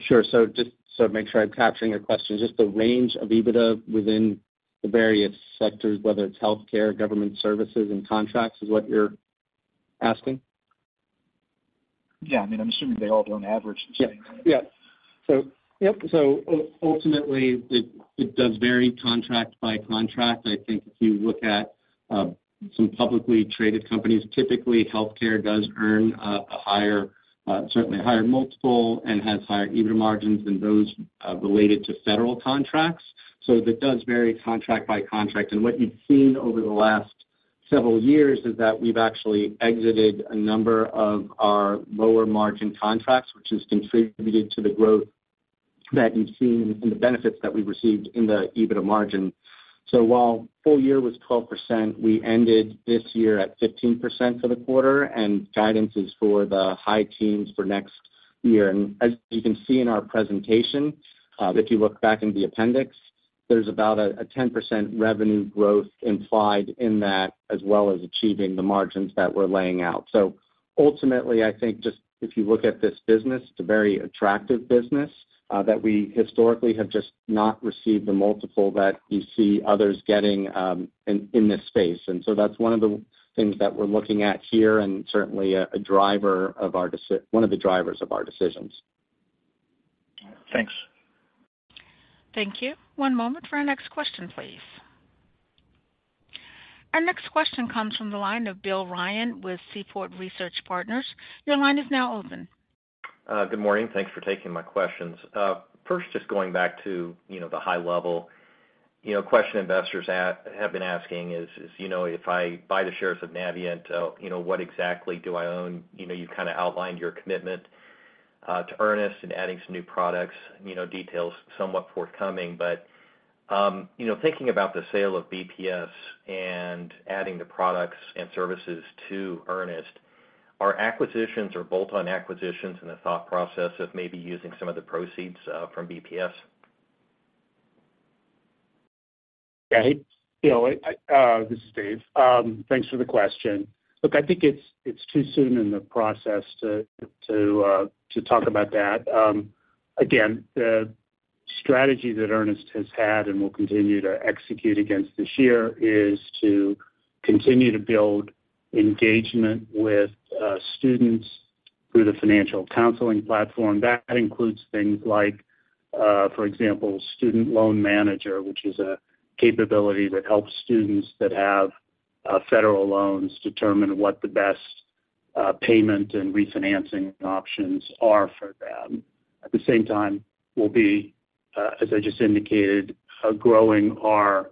Sure. So just so to make sure I'm capturing your question, just the range of EBITDA within the various sectors, whether it's healthcare, government services, and contracts, is what you're asking? Yeah. I mean, I'm assuming they all don't average the same. Yeah. Yeah. So, yep, so ultimately, it, it does vary contract by contract. I think if you look at, some publicly traded companies, typically, healthcare does earn, a higher, certainly a higher multiple and has higher EBITDA margins than those, related to federal contracts. So that does vary contract by contract. And what you've seen over the last several years is that we've actually exited a number of our lower-margin contracts, which has contributed to the growth that you've seen and the benefits that we've received in the EBITDA margin. So while full year was 12%, we ended this year at 15% for the quarter, and guidance is for the high teens for next year. As you can see in our presentation, if you look back in the appendix, there's about a 10% revenue growth implied in that, as well as achieving the margins that we're laying out. So ultimately, I think just if you look at this business, it's a very attractive business, that we historically have just not received the multiple that you see others getting, in this space. And so that's one of the things that we're looking at here and certainly a driver of our decisions. Thanks. Thank you. One moment for our next question, please. Our next question comes from the line of Bill Ryan with Seaport Research Partners. Your line is now open. Good morning. Thanks for taking my questions. First, just going back to, you know, the high level. You know, a question investors have been asking is, you know, if I buy the shares of Navient, you know, what exactly do I own? You know, you've kind of outlined your commitment to Earnest and adding some new products. You know, details somewhat forthcoming, but, you know, thinking about the sale of BPS and adding the products and services to Earnest, are acquisitions or bolt-on acquisitions in the thought process of maybe using some of the proceeds from BPS? Yeah, hey, Bill, this is Dave. Thanks for the question. Look, I think it's too soon in the process to talk about that. Again, the strategy that Earnest has had and will continue to execute against this year is to continue to build engagement with students through the financial counseling platform. That includes things like, for example, Student Loan Manager, which is a capability that helps students that have federal loans determine what the best payment and refinancing options are for them. At the same time, we'll be, as I just indicated, growing our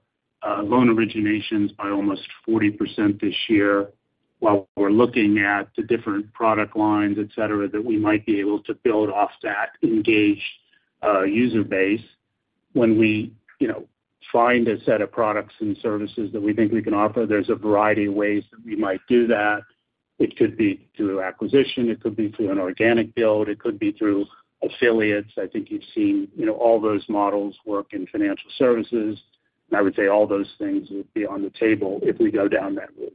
loan originations by almost 40% this year, while we're looking at the different product lines, et cetera, that we might be able to build off that engaged user base. When we, you know, find a set of products and services that we think we can offer, there's a variety of ways that we might do that. It could be through acquisition, it could be through an organic build, it could be through affiliates. I think you've seen, you know, all those models work in financial services, and I would say all those things would be on the table if we go down that route.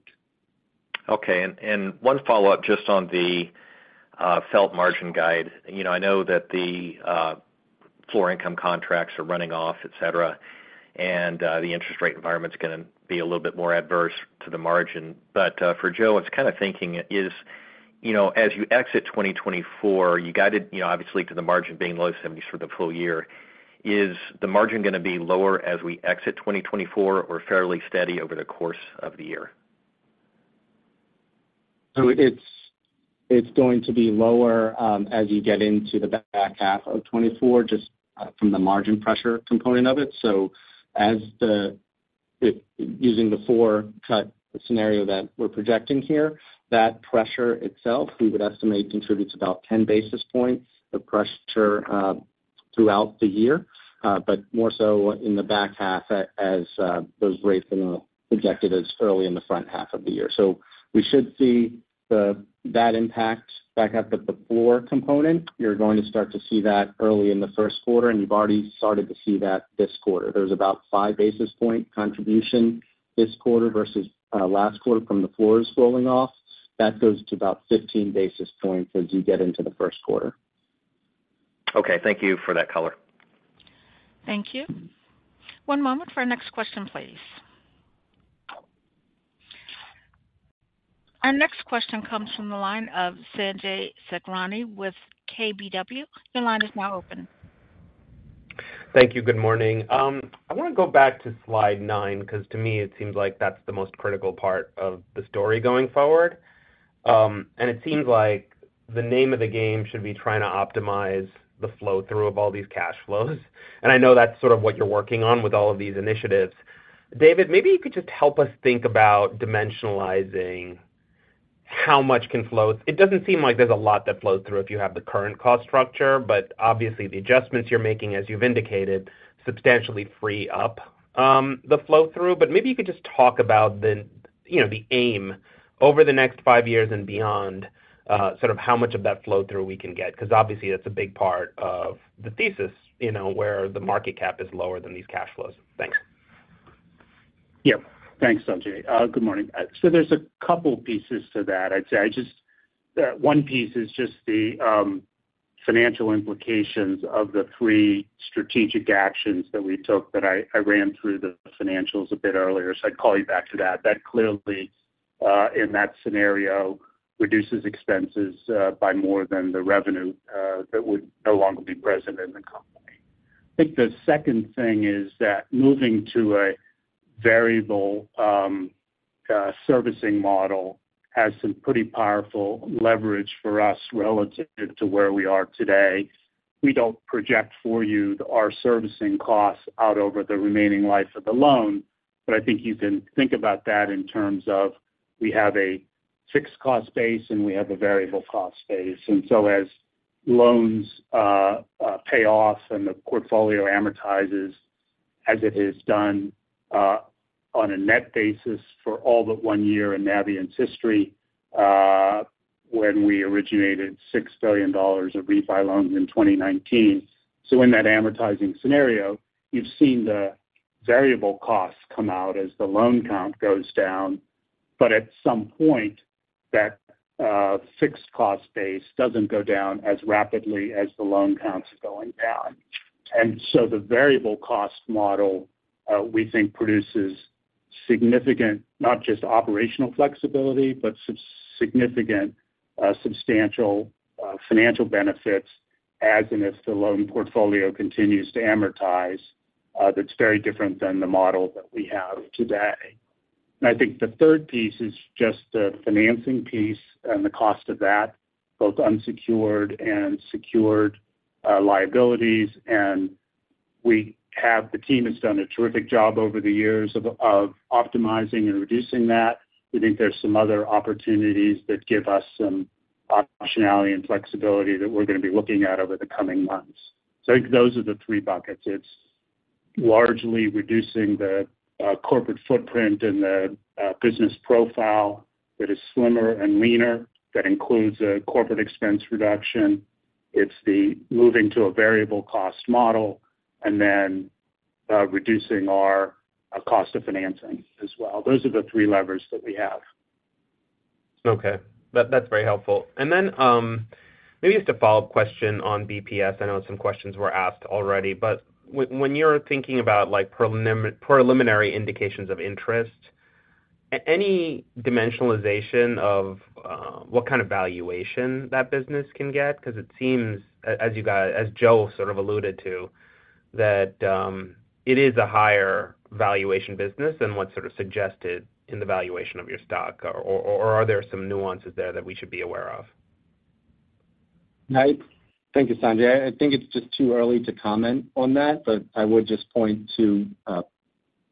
Okay. And one follow-up just on the FFEL margin guide. You know, I know that the floor income contracts are running off, et cetera, and the interest rate environment is going to be a little bit more adverse to the margin. But for Joe, I was kind of thinking is, you know, as you exit 2024, you guided, you know, obviously to the margin being low 70s for the full year. Is the margin going to be lower as we exit 2024 or fairly steady over the course of the year? So it's going to be lower as you get into the back half of 2024, just from the margin pressure component of it. So if using the four-cut scenario that we're projecting here, that pressure itself, we would estimate, contributes about 10 basis points of pressure throughout the year, but more so in the back half as those rates are projected as early in the front half of the year. So we should see that impact back at the floor component. You're going to start to see that early in the first quarter, and you've already started to see that this quarter. There's about 5 basis points contribution this quarter versus last quarter from the floors rolling off. That goes to about 15 basis points as you get into the first quarter. Okay, thank you for that color. Thank you. One moment for our next question, please. Our next question comes from the line of Sanjay Sakhrani with KBW. Your line is now open. Thank you. Good morning. I want to go back to slide 9, because to me it seems like that's the most critical part of the story going forward. And it seems like the name of the game should be trying to optimize the flow-through of all these cash flows. I know that's sort of what you're working on with all of these initiatives. David, maybe you could just help us think about dimensionalizing how much can flow. It doesn't seem like there's a lot that flows through if you have the current cost structure, but obviously the adjustments you're making, as you've indicated, substantially free up the flow-through. But maybe you could just talk about the, you know, the aim over the next five years and beyond, sort of how much of that flow-through we can get, because obviously that's a big part of the thesis, you know, where the market cap is lower than these cash flows. Thanks. Yeah. Thanks, Sanjay. Good morning. So there's a couple pieces to that. I'd say one piece is just the financial implications of the three strategic actions that we took, that I, I ran through the financials a bit earlier. So I'd call you back to that. That clearly, in that scenario, reduces expenses by more than the revenue that would no longer be present in the company. I think the second thing is that moving to a variable servicing model has some pretty powerful leverage for us relative to where we are today. We don't project for you our servicing costs out over the remaining life of the loan, but I think you can think about that in terms of we have a fixed cost base, and we have a variable cost base. And so as loans pay off and the portfolio amortizes, as it has done on a net basis for all but one year in Navient's history, when we originated $6 billion of refi loans in 2019. So in that amortizing scenario, you've seen the variable costs come out as the loan count goes down, but at some point, that fixed cost base doesn't go down as rapidly as the loan counts are going down. And so the variable cost model we think produces significant, not just operational flexibility, but significant substantial financial benefits, as and if the loan portfolio continues to amortize, that's very different than the model that we have today. And I think the third piece is just the financing piece and the cost of that, both unsecured and secured liabilities. And we have the team has done a terrific job over the years of optimizing and reducing that. We think there's some other opportunities that give us some optionality and flexibility that we're going to be looking at over the coming months. So I think those are the three buckets. It's largely reducing the corporate footprint and the business profile that is slimmer and leaner, that includes a corporate expense reduction. It's the moving to a variable cost model and then reducing our cost of financing as well. Those are the three levers that we have. Okay. That's very helpful. And then, maybe just a follow-up question on BPS. I know some questions were asked already, but when you're thinking about like preliminary indications of interest, any dimensionalization of what kind of valuation that business can get? Because it seems, as you guys, as Joe sort of alluded to, that it is a higher valuation business than what's sort of suggested in the valuation of your stock, or are there some nuances there that we should be aware of? Thank you, Sanjay. I think it's just too early to comment on that, but I would just point to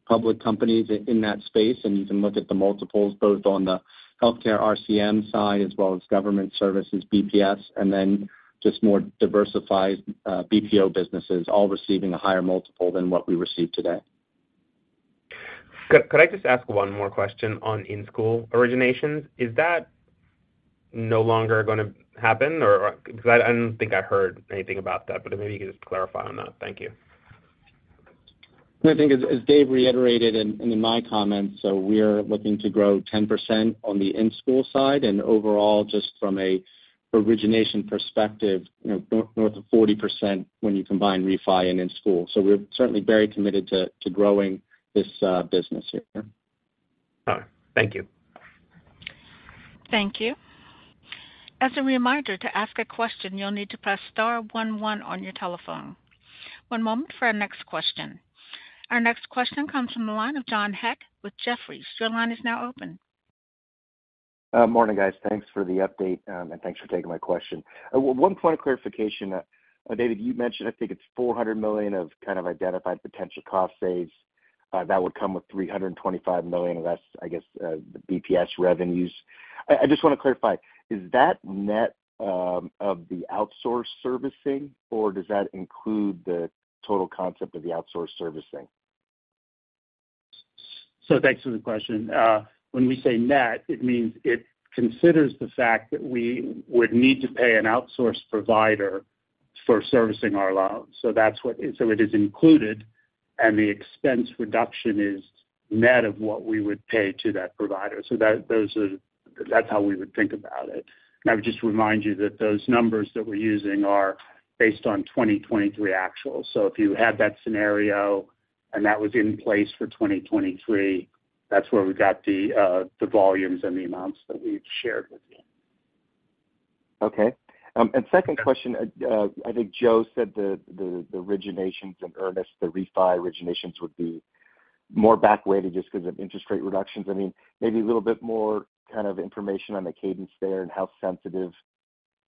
public companies in that space, and you can look at the multiples, both on the healthcare RCM side as well as government services BPS, and then just more diversified BPO businesses, all receiving a higher multiple than what we receive today. Could, could I just ask one more question on in-school originations? Is that no longer gonna happen, or, because I, I don't think I heard anything about that, but maybe you could just clarify on that. Thank you. I think as Dave reiterated and in my comments, so we're looking to grow 10% on the in-school side, and overall, just from a origination perspective, you know, north of 40% when you combine refi and in-school. So we're certainly very committed to growing this business here. All right. Thank you. Thank you. As a reminder, to ask a question, you'll need to press star one one on your telephone. One moment for our next question. Our next question comes from the line of John Hecht with Jefferies. Your line is now open. Morning, guys. Thanks for the update, and thanks for taking my question. One point of clarification. David, you mentioned, I think it's $400 million of kind of identified potential cost saves, that would come with $325 million less, I guess, the BPS revenues. I just want to clarify, is that net, of the outsource servicing, or does that include the total concept of the outsource servicing? So thanks for the question. When we say net, it means it considers the fact that we would need to pay an outsourced provider for servicing our loans. So that's what. So it is included, and the expense reduction is net of what we would pay to that provider. So that, those are, that's how we would think about it. And I would just remind you that those numbers that we're using are based on 2023 actuals. So if you had that scenario, and that was in place for 2023, that's where we got the, the volumes and the amounts that we've shared with you. Okay. And second question, I think Joe said the originations in Earnest, the refi originations would be more back weighted just because of interest rate reductions. I mean, maybe a little bit more kind of information on the cadence there and how sensitive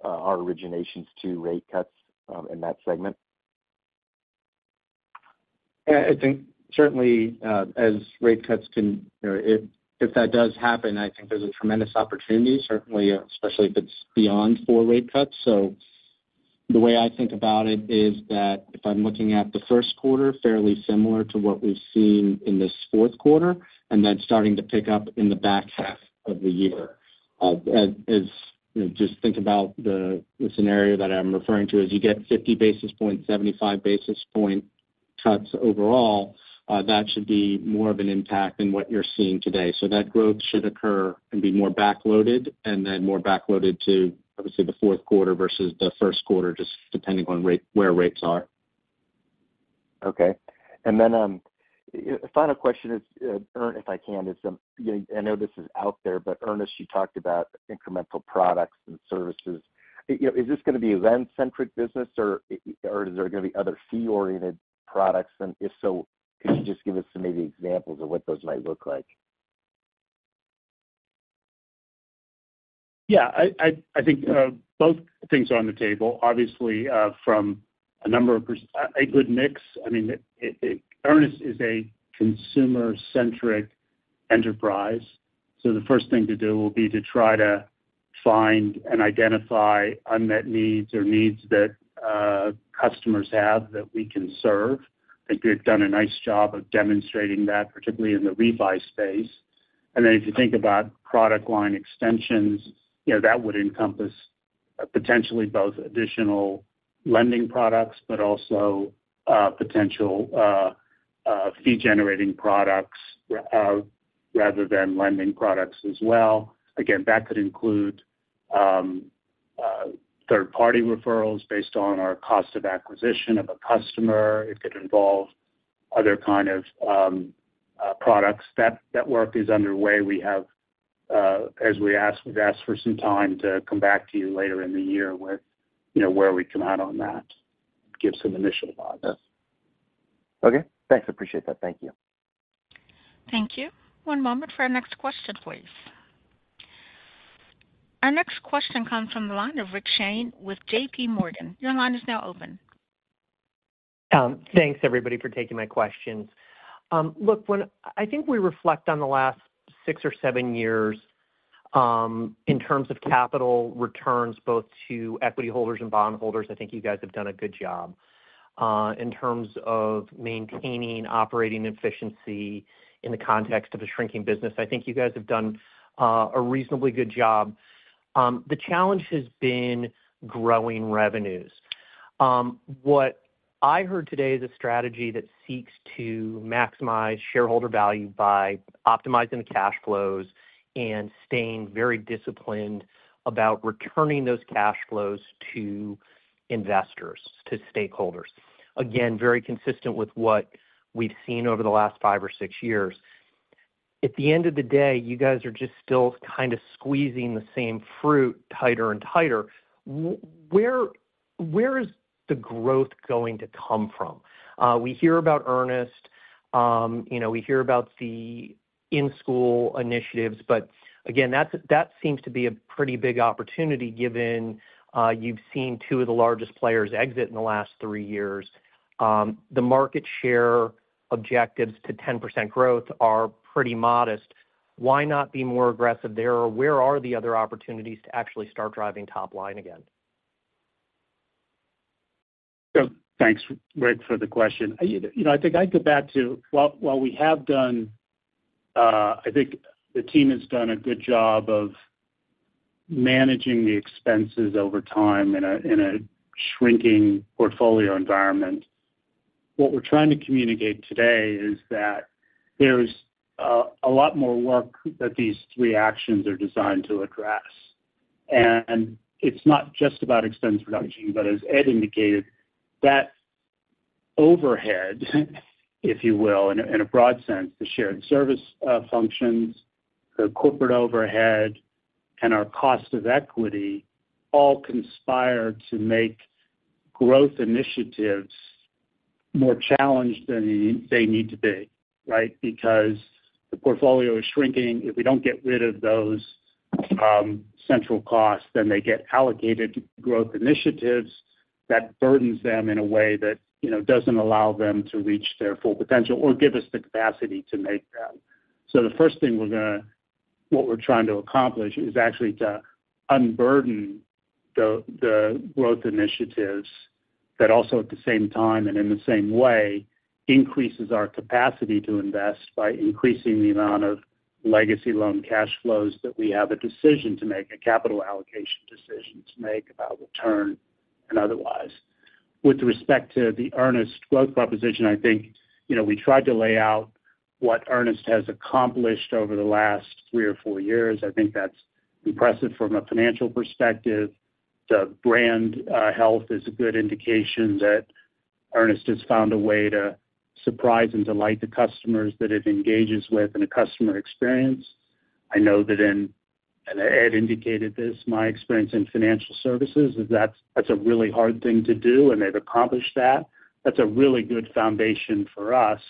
are originations to rate cuts in that segment? Yeah, I think certainly, as rate cuts can, you know, if, if that does happen, I think there's a tremendous opportunity, certainly, especially if it's beyond 4 rate cuts. So the way I think about it is that if I'm looking at the first quarter, fairly similar to what we've seen in this fourth quarter, and then starting to pick up in the back half of the year. As, as, you know, just think about the, the scenario that I'm referring to, as you get 50 basis point, 75 basis point cuts overall, that should be more of an impact than what you're seeing today. So that growth should occur and be more backloaded, and then more backloaded to, obviously, the fourth quarter versus the first quarter, just depending on rate, where rates are. Okay. And then, final question is, Earnest, if I can, you know, I know this is out there, but Earnest, you talked about incremental products and services. You know, is this gonna be a lend-centric business, or, or is there gonna be other fee-oriented products? And if so, could you just give us some maybe examples of what those might look like? Yeah, I think both things are on the table. Obviously, from a number of perspectives, a good mix. I mean, it Earnest is a consumer-centric enterprise, so the first thing to do will be to try to find and identify unmet needs or needs that customers have that we can serve. I think we've done a nice job of demonstrating that, particularly in the refi space. And then if you think about product line extensions, you know, that would encompass potentially both additional lending products, but also potential fee-generating products rather than lending products as well. Again, that could include third-party referrals based on our cost of acquisition of a customer. It could involve other kind of products. That work is underway. We have, as we asked, we've asked for some time to come back to you later in the year with, you know, where we come out on that, give some initial thoughts. Okay. Thanks. Appreciate that. Thank you. Thank you. One moment for our next question, please. Our next question comes from the line of Rick Shane with JPMorgan. Your line is now open. Thanks, everybody, for taking my questions. Look, when I think we reflect on the last six or seven years, in terms of capital returns, both to equity holders and bondholders, I think you guys have done a good job. In terms of maintaining operating efficiency in the context of a shrinking business, I think you guys have done a reasonably good job. The challenge has been growing revenues. What I heard today is a strategy that seeks to maximize shareholder value by optimizing the cash flows and staying very disciplined about returning those cash flows to investors, to stakeholders. Again, very consistent with what we've seen over the last 5 or 6 years. At the end of the day, you guys are just still kind of squeezing the same fruit tighter and tighter. Where, where is the growth going to come from? We hear about Earnest, you know, we hear about the in-school initiatives, but again, that's- that seems to be a pretty big opportunity, given you've seen 2 of the largest players exit in the last 3 years. The market share objectives to 10% growth are pretty modest. Why not be more aggressive there, or where are the other opportunities to actually start driving top line again? So thanks, Rick, for the question. I, you know, I think I'd go back to while we have done. I think the team has done a good job of managing the expenses over time in a shrinking portfolio environment. What we're trying to communicate today is that there's a lot more work that these three actions are designed to address. And it's not just about expense reduction, but as Ed indicated, that overhead, if you will, in a broad sense, the shared service functions, the corporate overhead, and our cost of equity, all conspire to make growth initiatives more challenged than they need to be, right? Because the portfolio is shrinking. If we don't get rid of those central costs, then they get allocated to growth initiatives that burdens them in a way that, you know, doesn't allow them to reach their full potential or give us the capacity to make them. So the first thing, what we're trying to accomplish, is actually to unburden the growth initiatives that also, at the same time and in the same way, increases our capacity to invest by increasing the amount of legacy loan cash flows that we have a decision to make, a capital allocation decision to make about return and otherwise. With respect to the Earnest growth proposition, I think, you know, we tried to lay out what Earnest has accomplished over the last three or four years. I think that's impressive from a financial perspective. The brand health is a good indication that Earnest has found a way to surprise and delight the customers that it engages with in a customer experience. I know that in, and Ed indicated this, my experience in financial services is that's, that's a really hard thing to do, and they've accomplished that. That's a really good foundation for us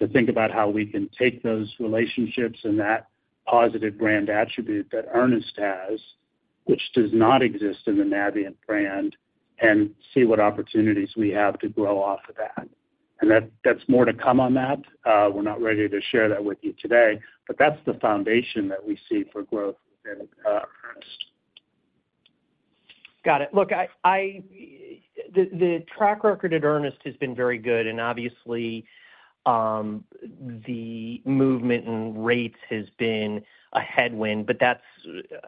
to think about how we can take those relationships and that positive brand attribute that Earnest has, which does not exist in the Navient brand, and see what opportunities we have to grow off of that. And that- that's more to come on that. We're not ready to share that with you today, but that's the foundation that we see for growth in Earnest. Got it. Look, the track record at Earnest has been very good, and obviously, the movement in rates has been a headwind, but that's,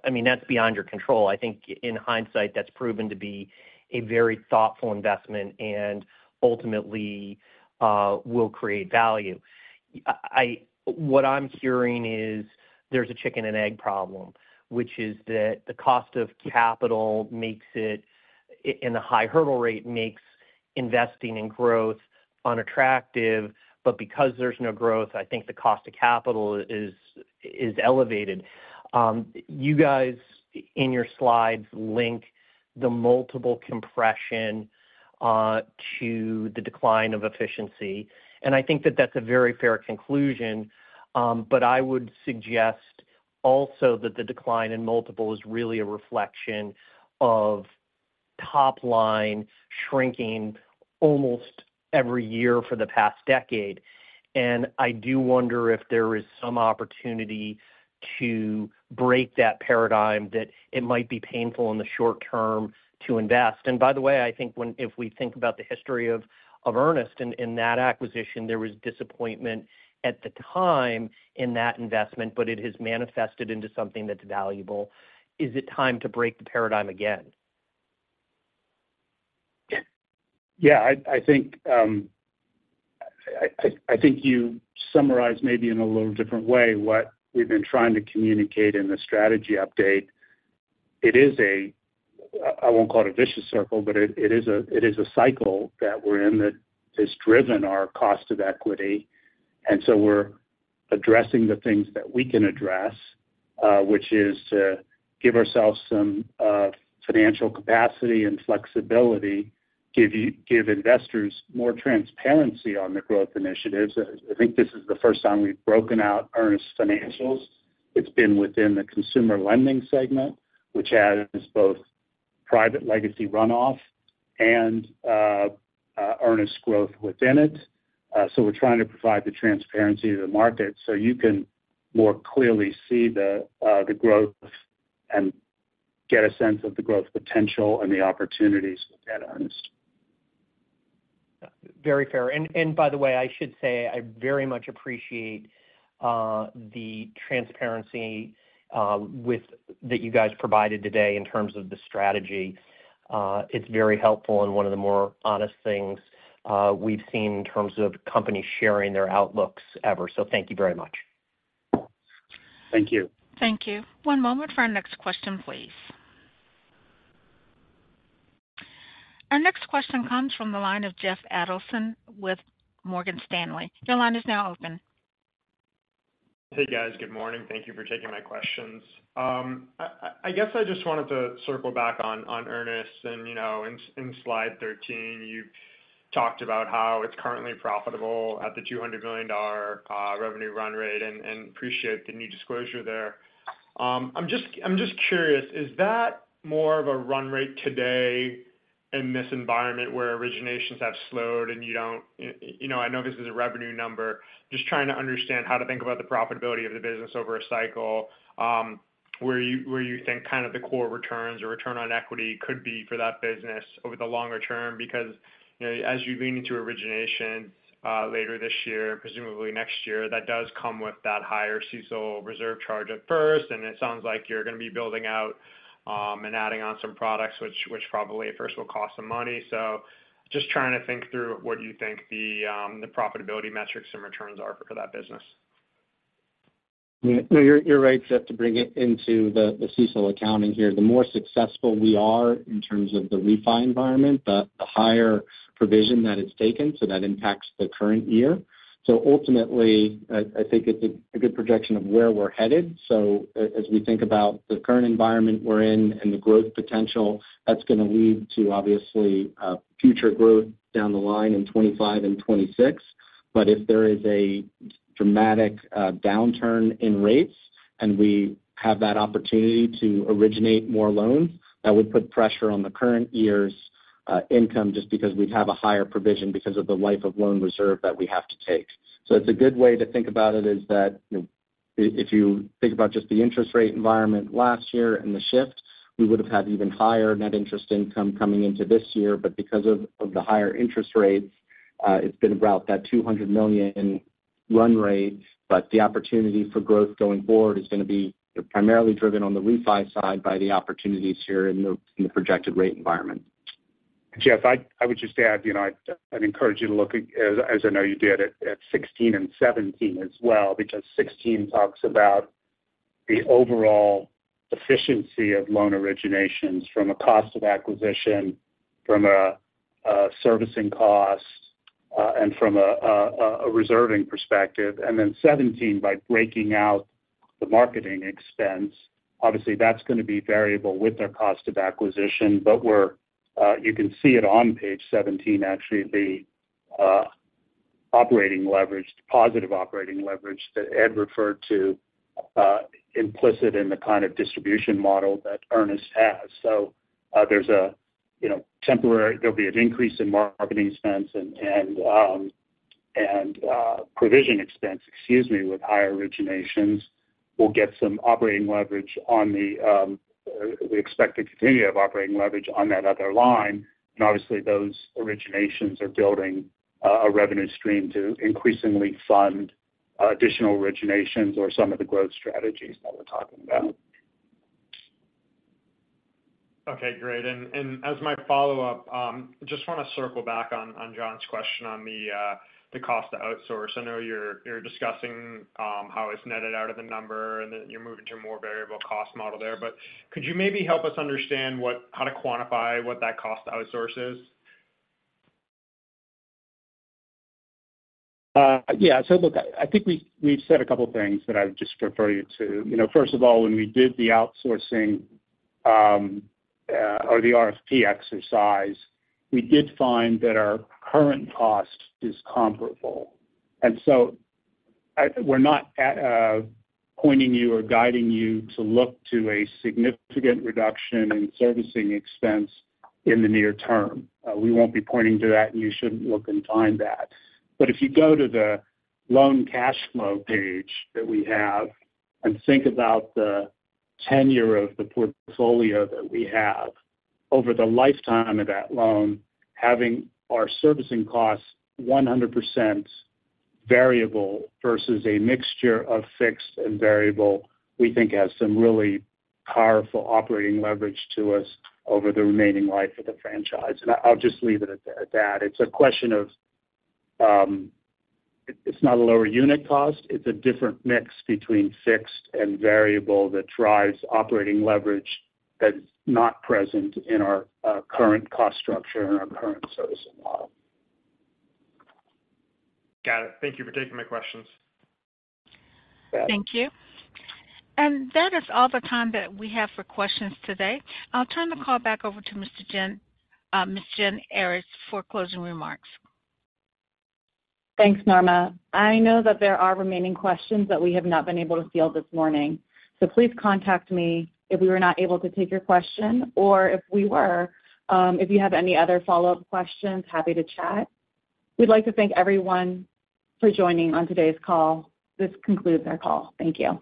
I mean, that's beyond your control. I think, in hindsight, that's proven to be a very thoughtful investment and ultimately, will create value. What I'm hearing is there's a chicken and egg problem, which is that the cost of capital makes it, and the high hurdle rate makes investing in growth unattractive, but because there's no growth, I think the cost of capital is elevated. You guys, in your slides, link the multiple compression to the decline of efficiency, and I think that's a very fair conclusion. But I would suggest also that the decline in multiple is really a reflection of top line shrinking almost every year for the past decade. And I do wonder if there is some opportunity to break that paradigm, that it might be painful in the short term to invest. And by the way, I think if we think about the history of Earnest, in that acquisition, there was disappointment at the time in that investment, but it has manifested into something that's valuable. Is it time to break the paradigm again? Yeah, I think you summarized maybe in a little different way what we've been trying to communicate in the strategy update. It is a, I won't call it a vicious circle, but it is a cycle that we're in that has driven our cost of equity. And so we're addressing the things that we can address, which is to give ourselves some financial capacity and flexibility, give investors more transparency on the growth initiatives. I think this is the first time we've broken out Earnest's financials. It's been within the consumer lending segment, which has both private legacy runoff and Earnest growth within it. So we're trying to provide the transparency to the market so you can more clearly see the growth and get a sense of the growth potential and the opportunities within Earnest. Very fair. And by the way, I should say, I very much appreciate the transparency that you guys provided today in terms of the strategy. It's very helpful and one of the more honest things we've seen in terms of companies sharing their outlooks ever. So thank you very much. Thank you. Thank you. One moment for our next question, please. Our next question comes from the line of Jeff Adelson with Morgan Stanley. Your line is now open. Hey, guys. Good morning. Thank you for taking my questions. I guess I just wanted to circle back on Earnest. And, you know, in slide 13, you talked about how it's currently profitable at the $200 million revenue run rate, and appreciate the new disclosure there. I'm just curious, is that more of a run rate today in this environment where originations have slowed and you don't, you know, I know this is a revenue number. Just trying to understand how to think about the profitability of the business over a cycle, where you think kind of the core returns or return on equity could be for that business over the longer term. Because, you know, as you lean into origination later this year, presumably next year, that does come with that higher CECL reserve charge at first, and it sounds like you're going to be building out and adding on some products, which probably at first will cost some money. So just trying to think through what you think the profitability metrics and returns are for that business. Yeah, no, you're, you're right, Jeff, to bring it into the, the CECL accounting here. The more successful we are in terms of the refi environment, the, the higher provision that is taken, so that impacts the current year. So ultimately, I, I think it's a, a good projection of where we're headed. So as we think about the current environment we're in and the growth potential, that's going to lead to obviously, future growth down the line in 2025 and 2026. But if there is a dramatic, downturn in rates, and we have that opportunity to originate more loans, that would put pressure on the current year's, income, just because we'd have a higher provision because of the life of loan reserve that we have to take. So it's a good way to think about it is that, you know, if you think about just the interest rate environment last year and the shift, we would have had even higher net interest income coming into this year. But because of, of the higher interest rates, it's been about that $200 million run rate. But the opportunity for growth going forward is going to be primarily driven on the refi side by the opportunities here in the, in the projected rate environment. Jeff, I would just add, you know, I'd encourage you to look at, as I know you did, at 16 and 17 as well, because 16 talks about the overall efficiency of loan originations from a cost of acquisition, from a servicing cost, and from a reserving perspective. And then 17, by breaking out the marketing expense, obviously that's going to be variable with our cost of acquisition. But you can see it on page 17, actually, the operating leverage, positive operating leverage that Ed referred to, implicit in the kind of distribution model that Earnest has. So, there's a, you know, temporary-there'll be an increase in marketing expense and provision expense, excuse me, with higher originations. We'll get some operating leverage on the. We expect the continuity of operating leverage on that other line. And obviously, those originations are building a revenue stream to increasingly fund additional originations or some of the growth strategies that we're talking about. Okay, great. And as my follow-up, just want to circle back on John's question on the cost to outsource. I know you're discussing how it's netted out of the number, and that you're moving to a more variable cost model there. But could you maybe help us understand how to quantify what that cost to outsource is? Yeah. So look, I think we've said a couple things that I would just refer you to. You know, first of all, when we did the outsourcing or the RFP exercise, we did find that our current cost is comparable. And so we're not pointing you or guiding you to look to a significant reduction in servicing expense in the near term. We won't be pointing to that, and you shouldn't look and find that. But if you go to the loan cash flow page that we have and think about the tenure of the portfolio that we have, over the lifetime of that loan, having our servicing costs 100% variable versus a mixture of fixed and variable, we think has some really powerful operating leverage to us over the remaining life of the franchise. I'll just leave it at that. It's a question of, it's not a lower unit cost. It's a different mix between fixed and variable that drives operating leverage that's not present in our current cost structure and our current servicing model. Got it. Thank you for taking my questions. Thank you. That is all the time that we have for questions today. I'll turn the call back over to Ms. Jen Earyes for closing remarks. Thanks, Norma. I know that there are remaining questions that we have not been able to field this morning. So please contact me if we were not able to take your question or if we were, if you have any other follow-up questions, happy to chat. We'd like to thank everyone for joining on today's call. This concludes our call. Thank you.